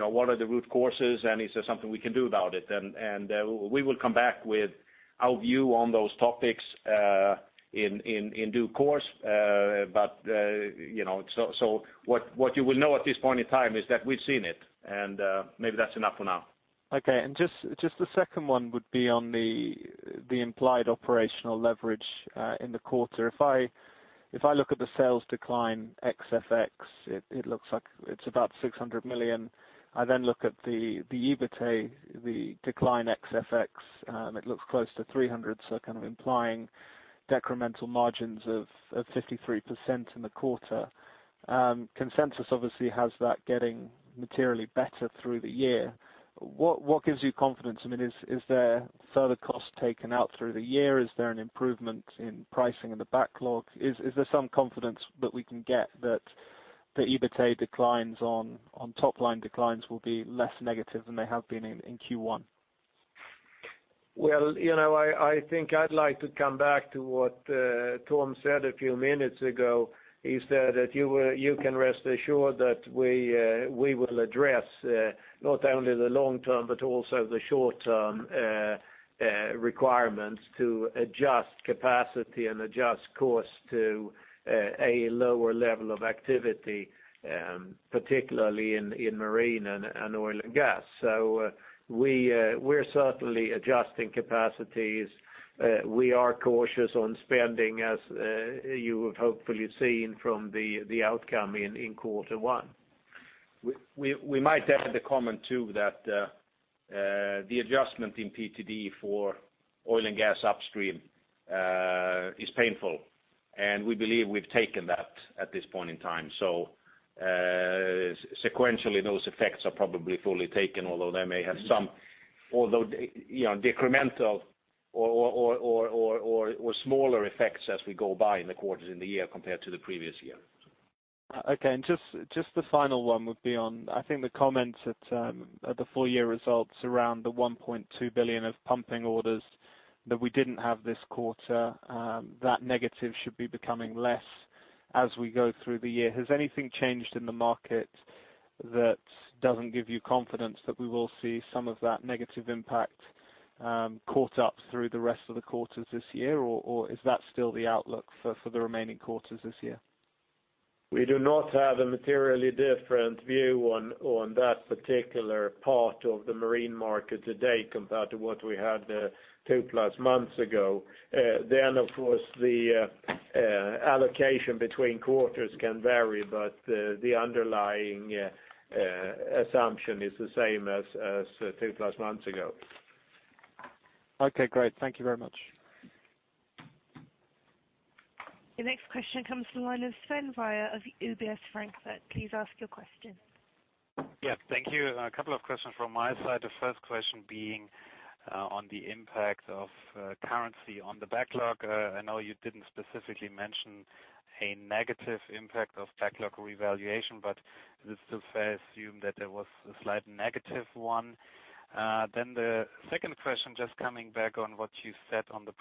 what are the root causes, and is there something we can do about it? We will come back with our view on those topics in due course. What you will know at this point in time is that we've seen it, and maybe that's enough for now. Okay. Just the second one would be on the implied operational leverage in the quarter. If I look at the sales decline ex FX, it looks like it's about 600 million. I then look at the EBITA, the decline ex FX, it looks close to 300, so kind of implying decremental margins of 53% in the quarter. Consensus obviously has that getting materially better through the year. What gives you confidence? Is there further cost taken out through the year? Is there an improvement in pricing in the backlog? Is there some confidence that we can get that the EBITA declines on top line declines will be less negative than they have been in Q1? I think I'd like to come back to what Tom said a few minutes ago. He said that you can rest assured that we will address not only the long-term but also the short-term requirements to adjust capacity and adjust cost to a lower level of activity, particularly in marine and oil and gas. We're certainly adjusting capacities. We are cautious on spending, as you have hopefully seen from the outcome in quarter one. We might add the comment, too, that the adjustment in PTD for oil and gas upstream is painful, and we believe we've taken that at this point in time. Sequentially, those effects are probably fully taken, although they may have some decremental or smaller effects as we go by in the caught up through the rest of the quarters this year, or is that still the outlook for the remaining quarters this year? We do not have a materially different view on that particular part of the marine market today compared to what we had two plus months ago. Of course, the allocation between quarters can vary, but the underlying assumption is the same as two plus months ago. Okay, great. Thank you very much. The next question comes from the line of Sven Weier of UBS, Frankfurt. Please ask your question. Yes. Thank you. A couple of questions from my side. The first question being on the impact of currency on the backlog. I know you didn't specifically mention a negative impact of backlog revaluation, but is it fair to assume that there was a slight negative one? The second question, just coming back on what you said on the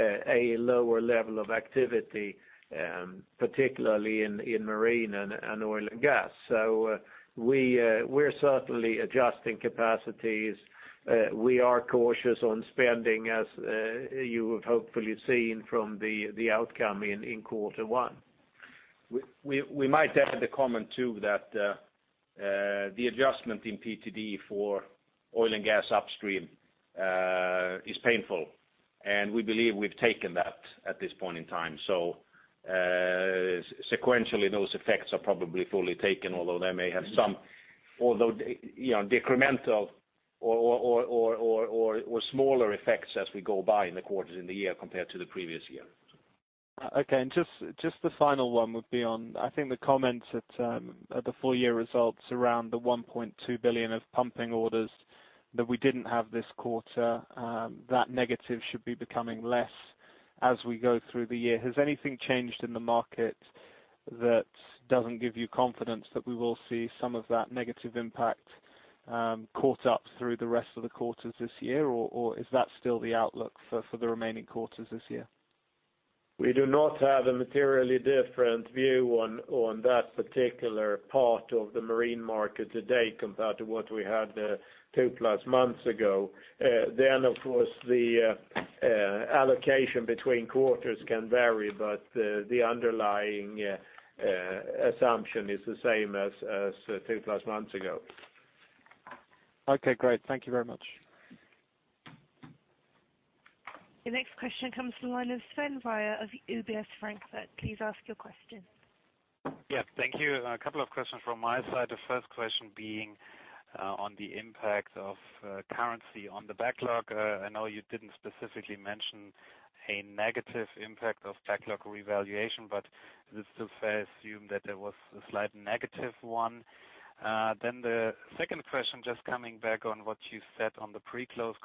pre-close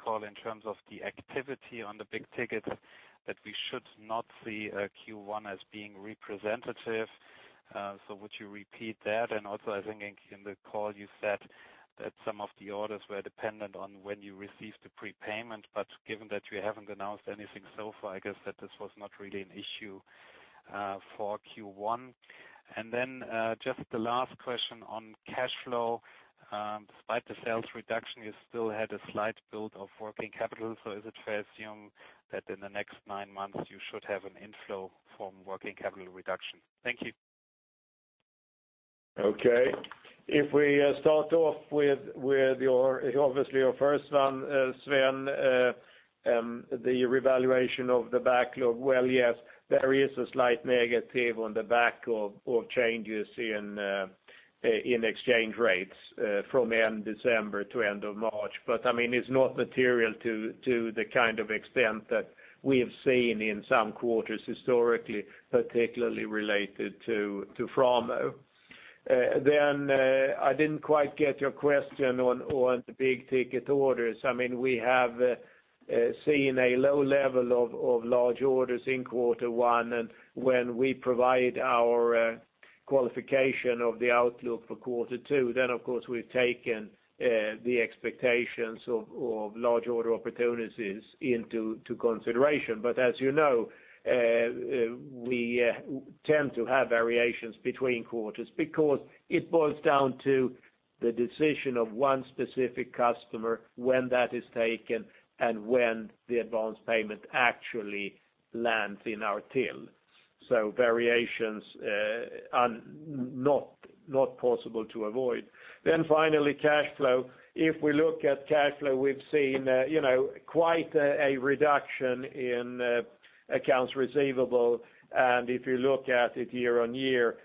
call in terms of the activity on the big ticket, that we should not see Q1 as being representative. Would you repeat that? Also, I think in the call you said that some of the orders were dependent on when you received the prepayment. Given that you haven't announced anything so far, I guess that this was not really an issue for Q1. The last question on cash flow. Despite the sales reduction, you still had a slight build of working capital. Is it fair to assume that in the next nine months you should have an inflow from working capital reduction? Thank you. Okay. If we start off with obviously your first one, Sven, the revaluation of the backlog, well, yes, there is a slight negative on the back of changes in exchange rates from end December to end of March. It is not material to the kind of extent that we have seen in some quarters historically, particularly related to Framo. I did not quite get your question on the big ticket orders. We have seen a low level of large orders in quarter one, and when we provide our qualification of the outlook for quarter two, then of course, we have taken the expectations of large order opportunities into consideration. As you know, we tend to have variations between quarters because it boils down to the decision of one specific customer when that is taken and when the advance payment actually lands in our till. Variations are not possible to avoid. Finally, cash flow. If we look at cash flow, we have seen quite a reduction in accounts receivable, and if you look at it year-on-year,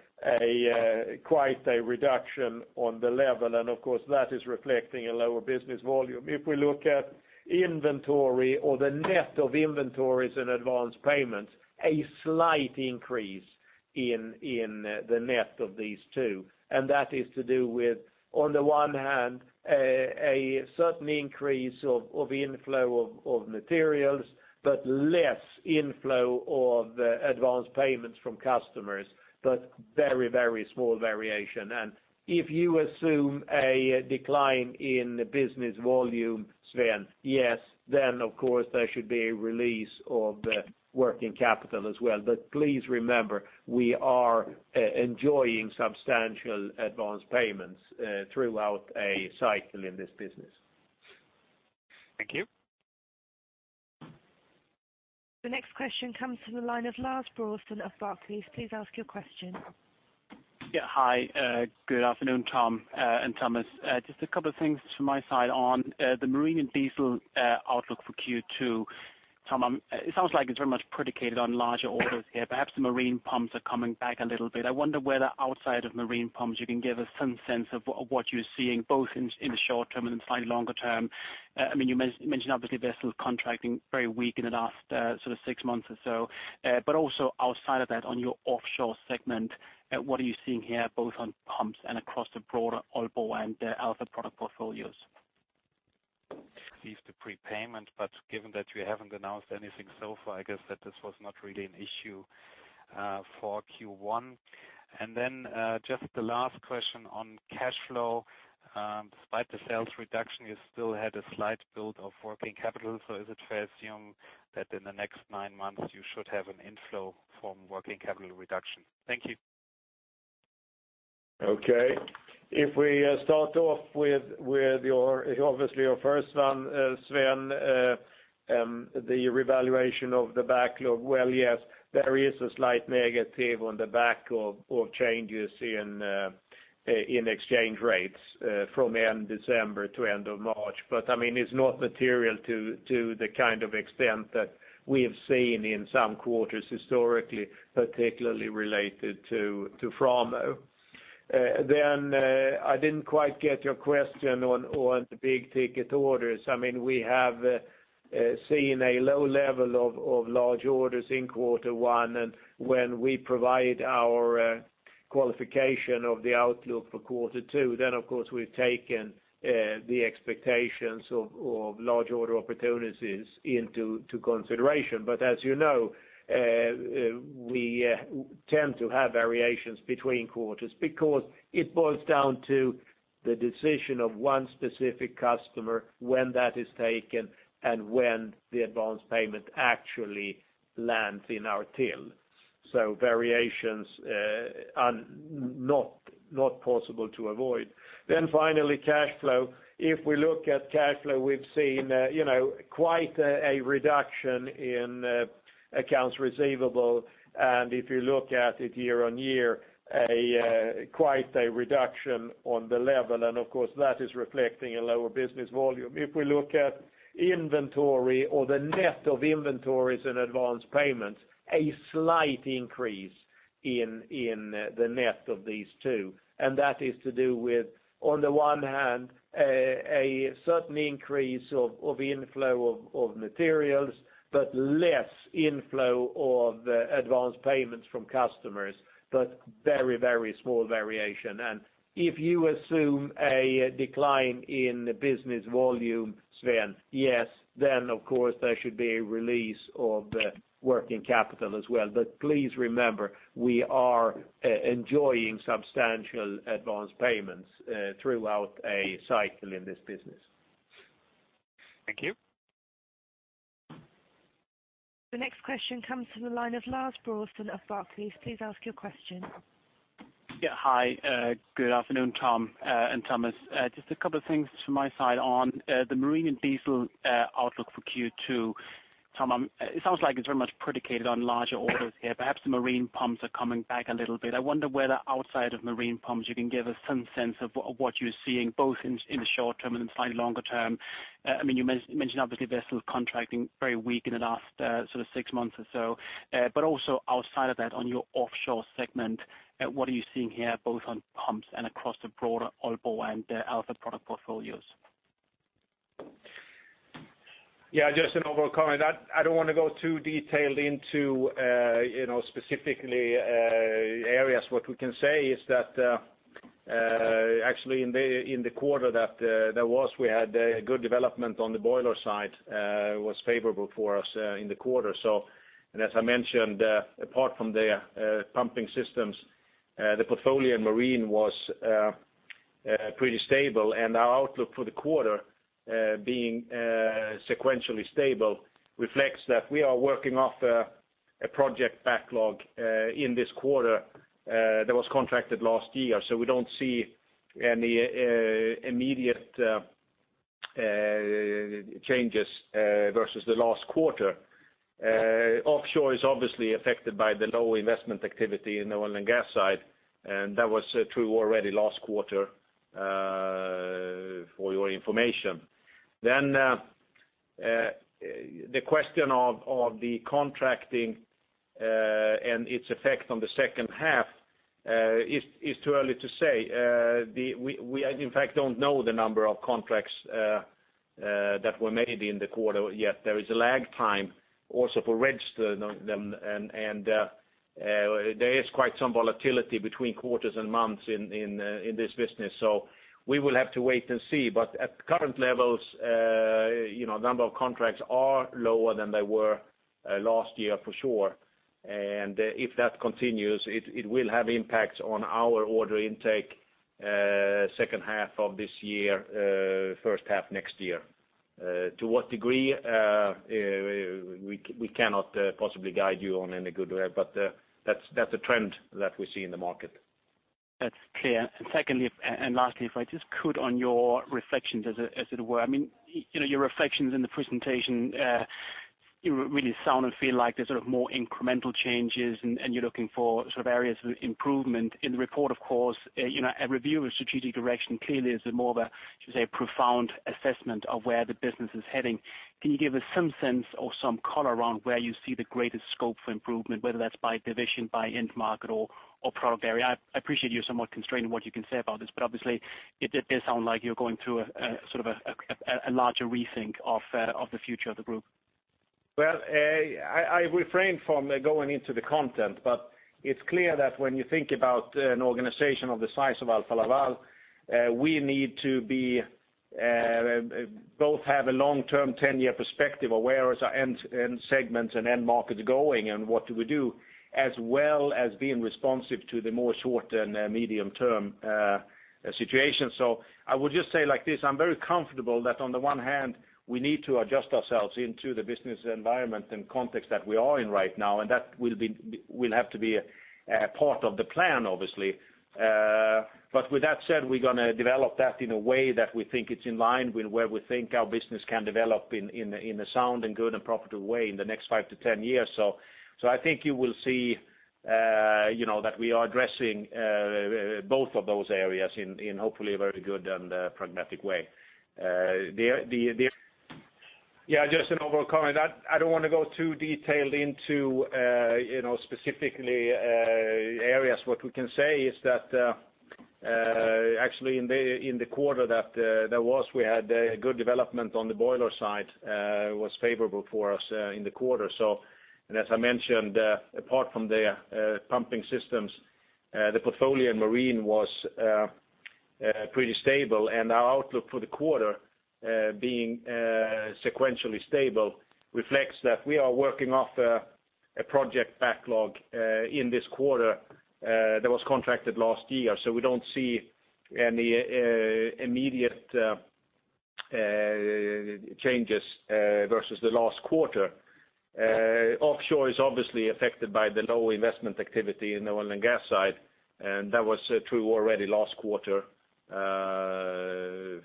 quite a reduction on the level. Of course, that is reflecting a lower business volume. If we look at inventory or the net of inventories and advanced payments, a slight increase in the net of these two. That is to do with, on the one hand, a certain increase of inflow of materials, but less inflow of advanced payments from customers, but very small variation. If you assume a decline in business volume, Sven, yes, then of course, there should be a release of working capital as well. Please remember, we are enjoying substantial advanced payments throughout a cycle in this business. Thank you. The next question comes from the line of Lars Brorson of Barclays. Please ask your question. Yeah. Hi. Good afternoon, Tom and Thomas. Just a couple of things from my side on the Marine & Diesel outlook for Q2. Tom, it sounds like it is very much predicated on larger orders here. Perhaps the marine pumps are coming back a little bit. I wonder whether outside of marine pumps, you can give us some sense of what you are seeing, both in the short term and slightly longer term. You mentioned obviously vessel contracting very weak in the last six months or so. Also outside of that, on your offshore segment, what are you seeing here, both on pumps and across the broader Aalborg and the Alfa product portfolios? these the prepayment, but given that you have not announced anything so far, I guess that this was not really an issue for Q1. Just the last question on cash flow. Despite the sales reduction, you still had a slight build of working capital. Is it fair to assume that in the next nine months, you should have an inflow from working capital reduction? Thank you. Okay. If we start off with obviously your first one, Sven, the revaluation of the backlog, well, yes, there is a slight negative on the back of changes in exchange rates from end December to end of March. It is not material to the kind of extent that we have seen in some quarters historically, particularly related to Framo. I did not quite get your question on the big ticket orders. We have seen a low level of large orders in quarter one, and when we provide our Qualification of the outlook for quarter two, then of course, we have taken the expectations of large order opportunities into consideration. As you know, we tend to have variations between quarters because it boils down to the decision of one specific customer when that is taken and when the advance payment actually lands in our till. Variations are not possible to avoid. Finally, cash flow. If we look at cash flow, we have seen quite a reduction in accounts receivable, and if you look at it year-on-year, quite a reduction on the level. Of course, that is reflecting a lower business volume. If we look at inventory or the net of inventories and advance payments, a slight increase in the net of these two. That is to do with, on the one hand, a certain increase of inflow of materials, but less inflow of advance payments from customers, but very small variation. If you assume a decline in business volume, Sven, yes, then of course there should be a release of working capital as well. Please remember, we are enjoying substantial advance payments throughout a cycle in this business. Thank you. The next question comes from the line of Lars Brorson of Barclays. Please ask your question. Hi, good afternoon, Tom and Thomas. Just a couple of things from my side on the Marine & Diesel outlook for Q2. Tom, it sounds like it's very much predicated on larger orders here. Perhaps the marine pumps are coming back a little bit. I wonder whether outside of marine pumps, you can give us some sense of what you're seeing, both in the short term and in slightly longer term. You mentioned, obviously vessel contracting very weak in the last six months or so. Also outside of that, on your offshore segment, what are you seeing here, both on pumps and across the broader Aalborg and Alfa product portfolios? Just an overall comment. I don't want to go too detailed into specifically areas. What we can say is that, actually in the quarter that there was, we had a good development on the boiler side, was favorable for us in the quarter. As I mentioned, apart from the pumping systems, the portfolio in marine was pretty stable, and our outlook for the quarter being sequentially stable reflects that we are working off a project backlog in this quarter that was contracted last year. We don't see any immediate changes versus the last quarter. Offshore is obviously affected by the low investment activity in the oil and gas side. That was true already last quarter, for your information. The question of the contracting, and its effect on the second half, it's too early to say. We, in fact, don't know the number of contracts that were made in the quarter yet. There is a lag time also for register them, and there is quite some volatility between quarters and months in this business. We will have to wait and see. At current levels, number of contracts are lower than they were last year, for sure. If that continues, it will have impacts on our order intake second half of this year, first half next year. To what degree, we cannot possibly guide you on any good way, but that's a trend that we see in the market. That's clear. Secondly and lastly, if I just could on your reflections, as it were. Your reflections in the presentation, you really sound and feel like there's more incremental changes, and you're looking for areas of improvement. In the report, of course, a review of strategic direction clearly is more of a, should say, profound assessment of where the business is heading. Can you give us some sense or some color around where you see the greatest scope for improvement, whether that's by division, by end market, or product area? I appreciate you're somewhat constrained in what you can say about this, but obviously it did sound like you're going through a larger rethink of the future of the group. Well, I refrained from going into the content, but it's clear that when you think about an organization of the size of Alfa Laval, we need to both have a long-term, 10-year perspective awareness of end segments and end markets going, and what do we do, as well as being responsive to the more short and medium-term situation. I would just say like this, I'm very comfortable that on the one hand, we need to adjust ourselves into the business environment and context that we are in right now, and that will have to be a part of the plan, obviously. With that said, we're going to develop that in a way that we think it's in line with where we think our business can develop in a sound and good and profitable way in the next five to 10 years. I think you will see that we are addressing both of those areas in hopefully a very good and pragmatic way. Just an overall comment. I don't want to go too detailed into specifically areas. What we can say is that Actually, in the quarter that was, we had a good development on the boiler side, was favorable for us in the quarter. As I mentioned, apart from the pumping systems, the portfolio in marine was pretty stable, and our outlook for the quarter being sequentially stable reflects that we are working off a project backlog in this quarter that was contracted last year. We don't see any immediate changes versus the last quarter. Offshore is obviously affected by the low investment activity in the oil and gas side, and that was true already last quarter,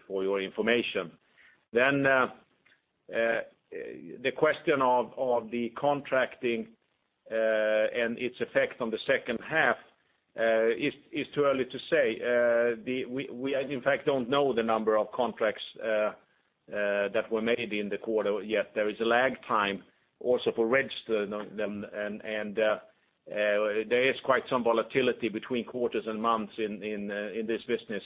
for your information. The question of the contracting, and its effect on the second half, it's too early to say. We, in fact, don't know the number of contracts that were made in the quarter yet. There is a lag time also for register them, and there is quite some volatility between quarters and months in this business.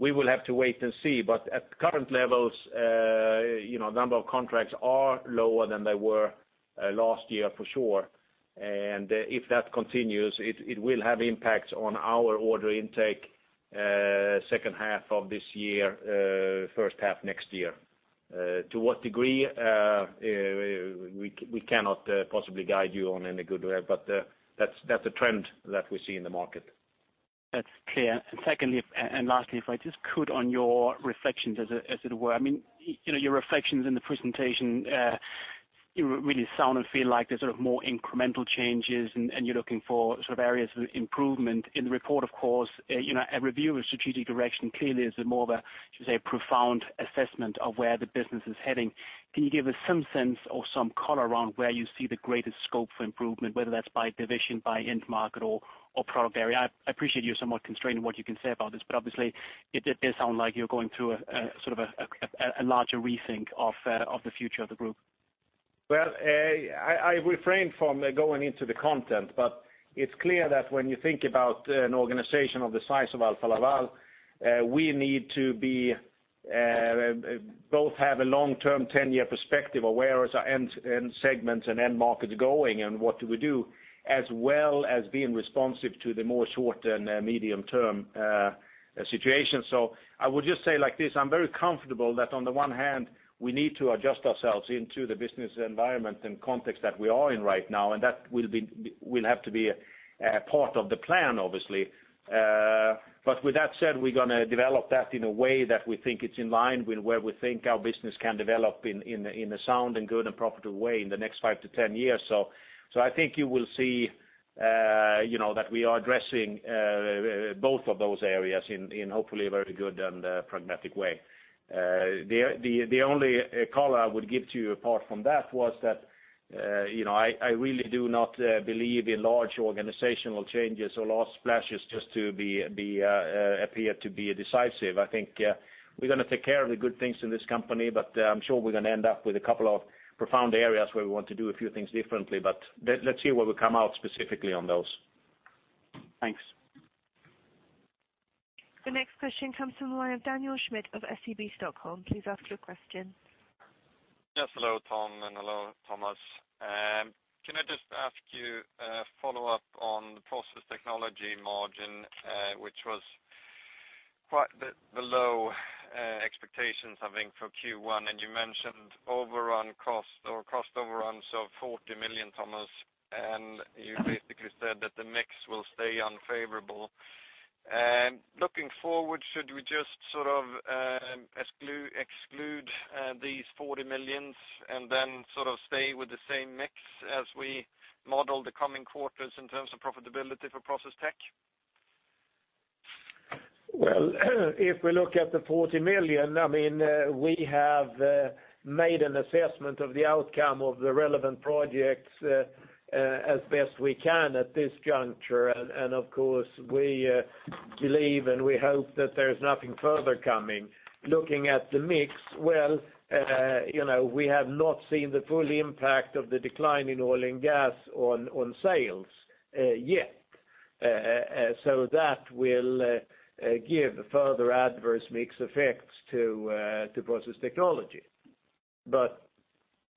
We will have to wait and see. At current levels, number of contracts are lower than they were last year, for sure. If that continues, it will have impacts on our order intake second half of this year, first half next year. To what degree, we cannot possibly guide you on any good way, but that's a trend that we see in the market. That's clear. Secondly, and lastly, if I just could on your reflections, as it were. Your reflections in the presentation, you really sound and feel like there's more incremental changes, and you're looking for areas of improvement. In the report, of course, a review of strategic direction clearly is more of a, should say, profound assessment of where the business is heading. Can you give us some sense or some color around where you see the greatest scope for improvement, whether that's by division, by end market, or product area? I appreciate you're somewhat constrained in what you can say about this, but obviously it did sound like you're going through a larger rethink of the future of the group. Well, I refrained from going into the content, but it's clear that when you think about an organization of the size of Alfa Laval, we need to both have a long-term 10-year perspective, whereas our end segments and end markets are going, and what do we do, as well as being responsive to the more short and medium-term situation. I would just say it like this: I'm very comfortable that on the one hand, we need to adjust ourselves into the business environment and context that we are in right now, and that will have to be a part of the plan, obviously. With that said, we're going to develop that in a way that we think it's in line with where we think our business can develop in a sound and good and profitable way in the next five to 10 years. I think you will see that we are addressing both of those areas in hopefully a very good and pragmatic way. The only color I would give to you apart from that was that. I really do not believe in large organizational changes or large splashes just to appear to be decisive. I think we're going to take care of the good things in this company, but I'm sure we're going to end up with a couple of profound areas where we want to do a few things differently. Let's see where we come out specifically on those. Thanks. The next question comes from the line of Daniel Schmidt of SEB Stockholm. Please ask your question. Yes, hello Tom, and hello Thomas. Can I just ask you a follow-up on the Process Technology margin, which was quite below expectations, I think, for Q1. You mentioned cost overruns of 40 million, Thomas, and you basically said that the mix will stay unfavorable. Looking forward, should we just exclude these 40 million and then stay with the same mix as we model the coming quarters in terms of profitability for process tech? If we look at the 40 million, we have made an assessment of the outcome of the relevant projects as best we can at this juncture. Of course, we believe and we hope that there's nothing further coming. Looking at the mix, we have not seen the full impact of the decline in oil and gas on sales yet. That will give further adverse mix effects to Process Technology.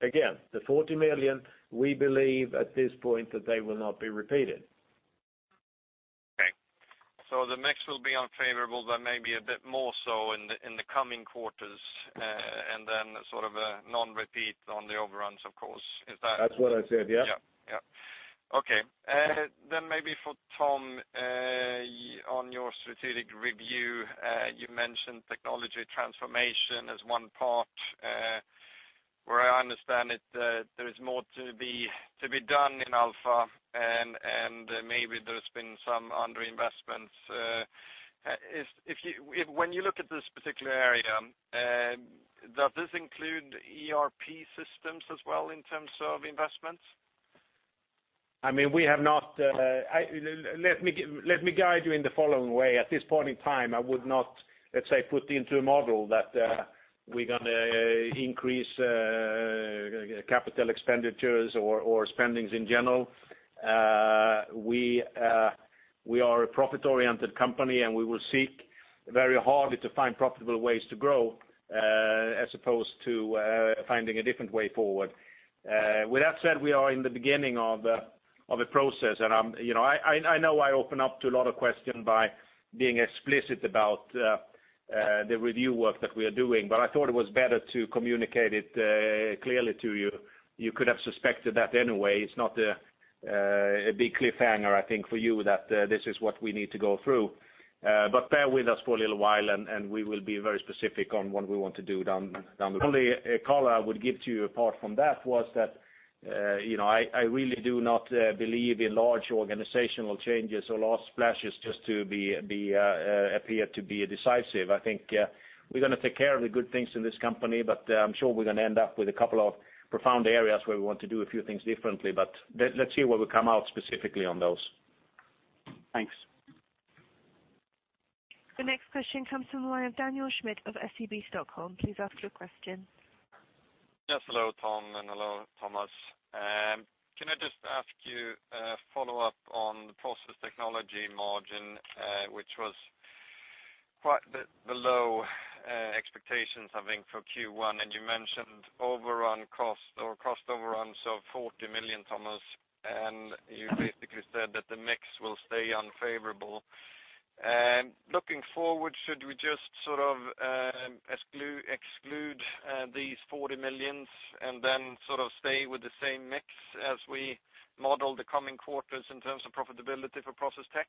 Again, the 40 million, we believe at this point that they will not be repeated. The mix will be unfavorable, but maybe a bit more so in the coming quarters, and then a non-repeat on the overruns, of course. Is that? That's what I said, yes. Maybe for Tom, on your strategic review, you mentioned technology transformation as one part, where I understand there is more to be done in Alfa, and maybe there's been some under investments. When you look at this particular area, does this include ERP systems as well in terms of investments? Let me guide you in the following way. At this point in time, I would not, let's say, put into a model that we're going to increase Capital expenditures or spendings in general. We are a profit-oriented company, and we will seek very hard to find profitable ways to grow, as opposed to finding a different way forward. With that said, we are in the beginning of a process. I know I open up to a lot of questions by being explicit about the review work that we are doing, but I thought it was better to communicate it clearly to you. You could have suspected that anyway. It's not a big cliffhanger, I think, for you that this is what we need to go through. Bear with us for a little while, and we will be very specific on what we want to do down the road. The only color I would give to you apart from that was that I really do not believe in large organizational changes or large splashes just to appear to be decisive. I think we're going to take care of the good things in this company, but I'm sure we're going to end up with a couple of profound areas where we want to do a few things differently. Let's see where we come out specifically on those. Thanks. The next question comes from the line of Daniel Schmidt of SEB Stockholm. Please ask your question. Yes, hello Tom, and hello Thomas. Can I just ask you a follow-up on the Process Technology margin, which was quite below expectations, I think, for Q1. You mentioned cost overruns of 40 million, Thomas, and you basically said that the mix will stay unfavorable. Looking forward, should we just exclude these 40 million and then stay with the same mix as we model the coming quarters in terms of profitability for process tech?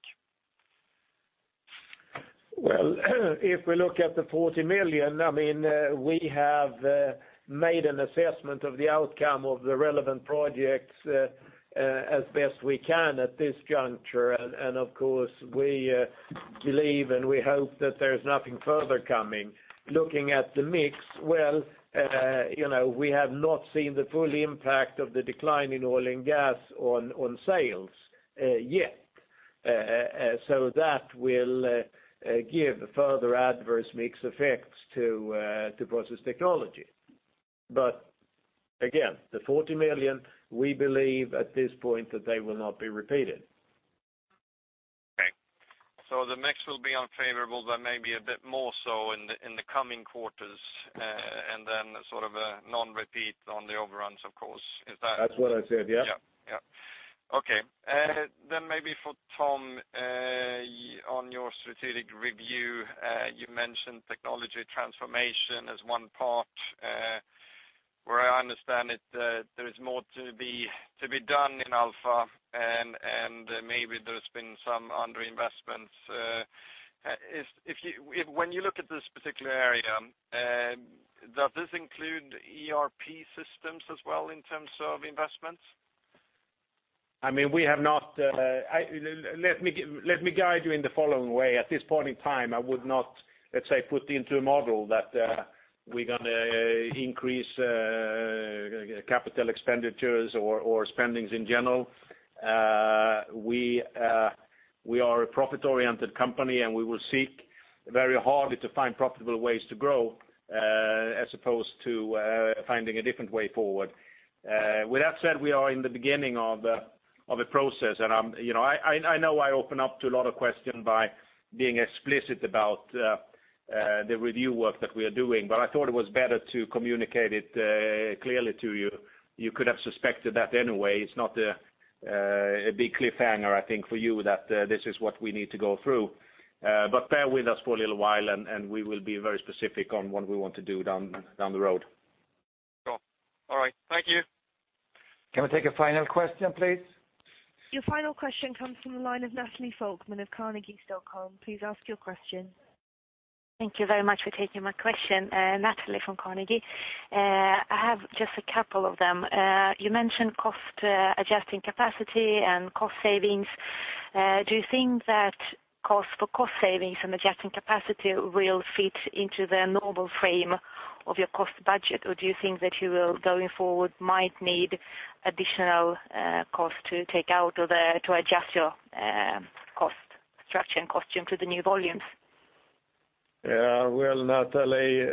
Well, if we look at the 40 million, we have made an assessment of the outcome of the relevant projects as best we can at this juncture. Of course, we believe and we hope that there's nothing further coming. Looking at the mix, we have not seen the full impact of the decline in oil and gas on sales yet. That will give further adverse mix effects to Process Technology. Again, the 40 million, we believe at this point that they will not be repeated. The mix will be unfavorable, but maybe a bit more so in the coming quarters, and then a non-repeat on the overruns, of course. Is that? That's what I said, yes. Yeah. Okay. Maybe for Tom, on your strategic review, you mentioned technology transformation as one part, where I understand there is more to be done in Alfa, and maybe there's been some under-investments. When you look at this particular area, does this include ERP systems as well in terms of investments? Let me guide you in the following way. At this point in time, I would not, let's say, put into a model that we're going to increase capital expenditures or spendings in general. We are a profit-oriented company, and we will seek very hard to find profitable ways to grow, as opposed to finding a different way forward. With that said, we are in the beginning of a process. I know I open up to a lot of questions by being explicit about the review work that we are doing, but I thought it was better to communicate it clearly to you. You could have suspected that anyway. It's not a big cliffhanger, I think, for you that this is what we need to go through. Bear with us for a little while, and we will be very specific on what we want to do down the road. Sure. All right. Thank you. Can we take a final question, please? Your final question comes from the line of Natalie Falkman of Carnegie Stockholm. Please ask your question. Thank you very much for taking my question. Natalie from Carnegie. I have just a couple of them. You mentioned cost adjusting capacity and cost savings. Do you think that for cost savings and adjusting capacity will fit into the normal frame of your cost budget, or do you think that you will, going forward, might need additional cost to take out or to adjust your cost structure and cost to the new volumes? Well, Natalie,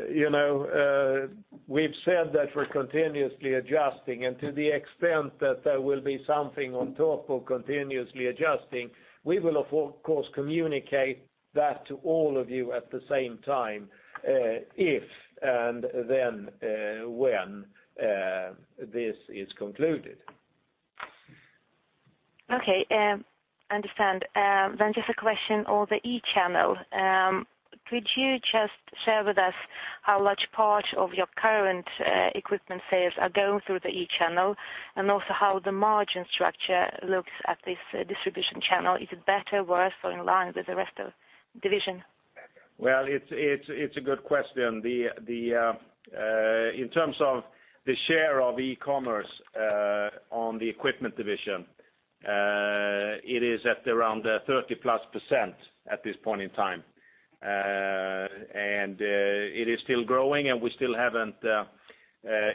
we've said that we're continuously adjusting, to the extent that there will be something on top of continuously adjusting, we will of course communicate that to all of you at the same time, if and then when this is concluded. Okay. Understand. Just a question on the e-channel. It is still growing, and we still haven't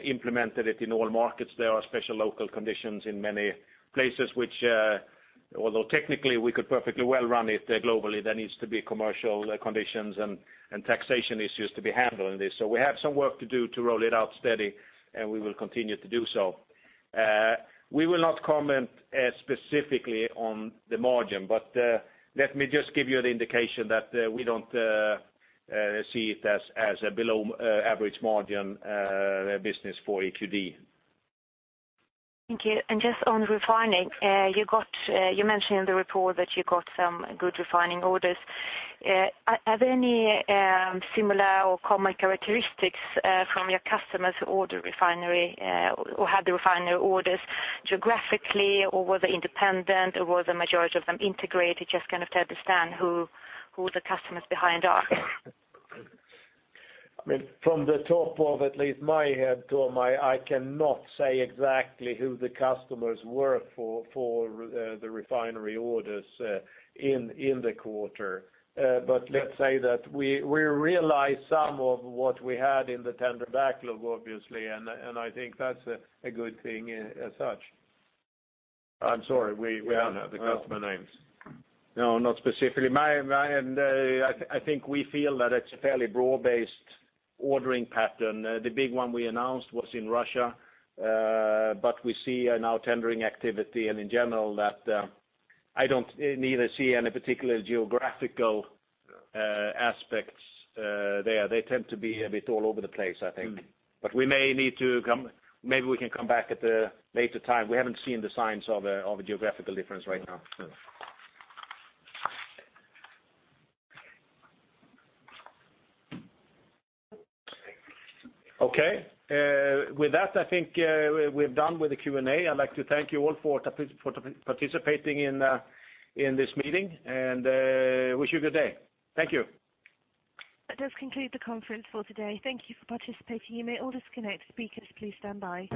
implemented it in all markets. There are special local conditions in many places which, although technically we could perfectly well run it globally, there needs to be commercial conditions and taxation issues to be handled in this. We have some work to do to roll it out steady, and we will continue to do so. We will not comment specifically on the margin, but let me just give you an indication that we don't see it as a below-average margin business for EQD. Thank you. Just on refining, you mentioned in the report that you got some good refining orders. Are there any similar or common characteristics from your customers who order refining, or had the refining orders geographically, or were they independent, or were the majority of them integrated? Just to understand who the customers behind are. From the top of at least my head, Tom, I cannot say exactly who the customers were for the refining orders in the quarter. Let's say that we realized some of what we had in the tender backlog, obviously, and I think that's a good thing as such. I'm sorry, we don't have the customer names. No, not specifically. I think we feel that it's a fairly broad-based ordering pattern. The big one we announced was in Russia, we see now tendering activity. In general, I don't see any particular geographical aspects there. They tend to be a bit all over the place, I think. Maybe we can come back at a later time. We haven't seen the signs of a geographical difference right now. Okay. With that, I think we're done with the Q&A. I'd like to thank you all for participating in this meeting, and wish you a good day. Thank you. That does conclude the conference for today. Thank you for participating. You may all disconnect. Speakers, please-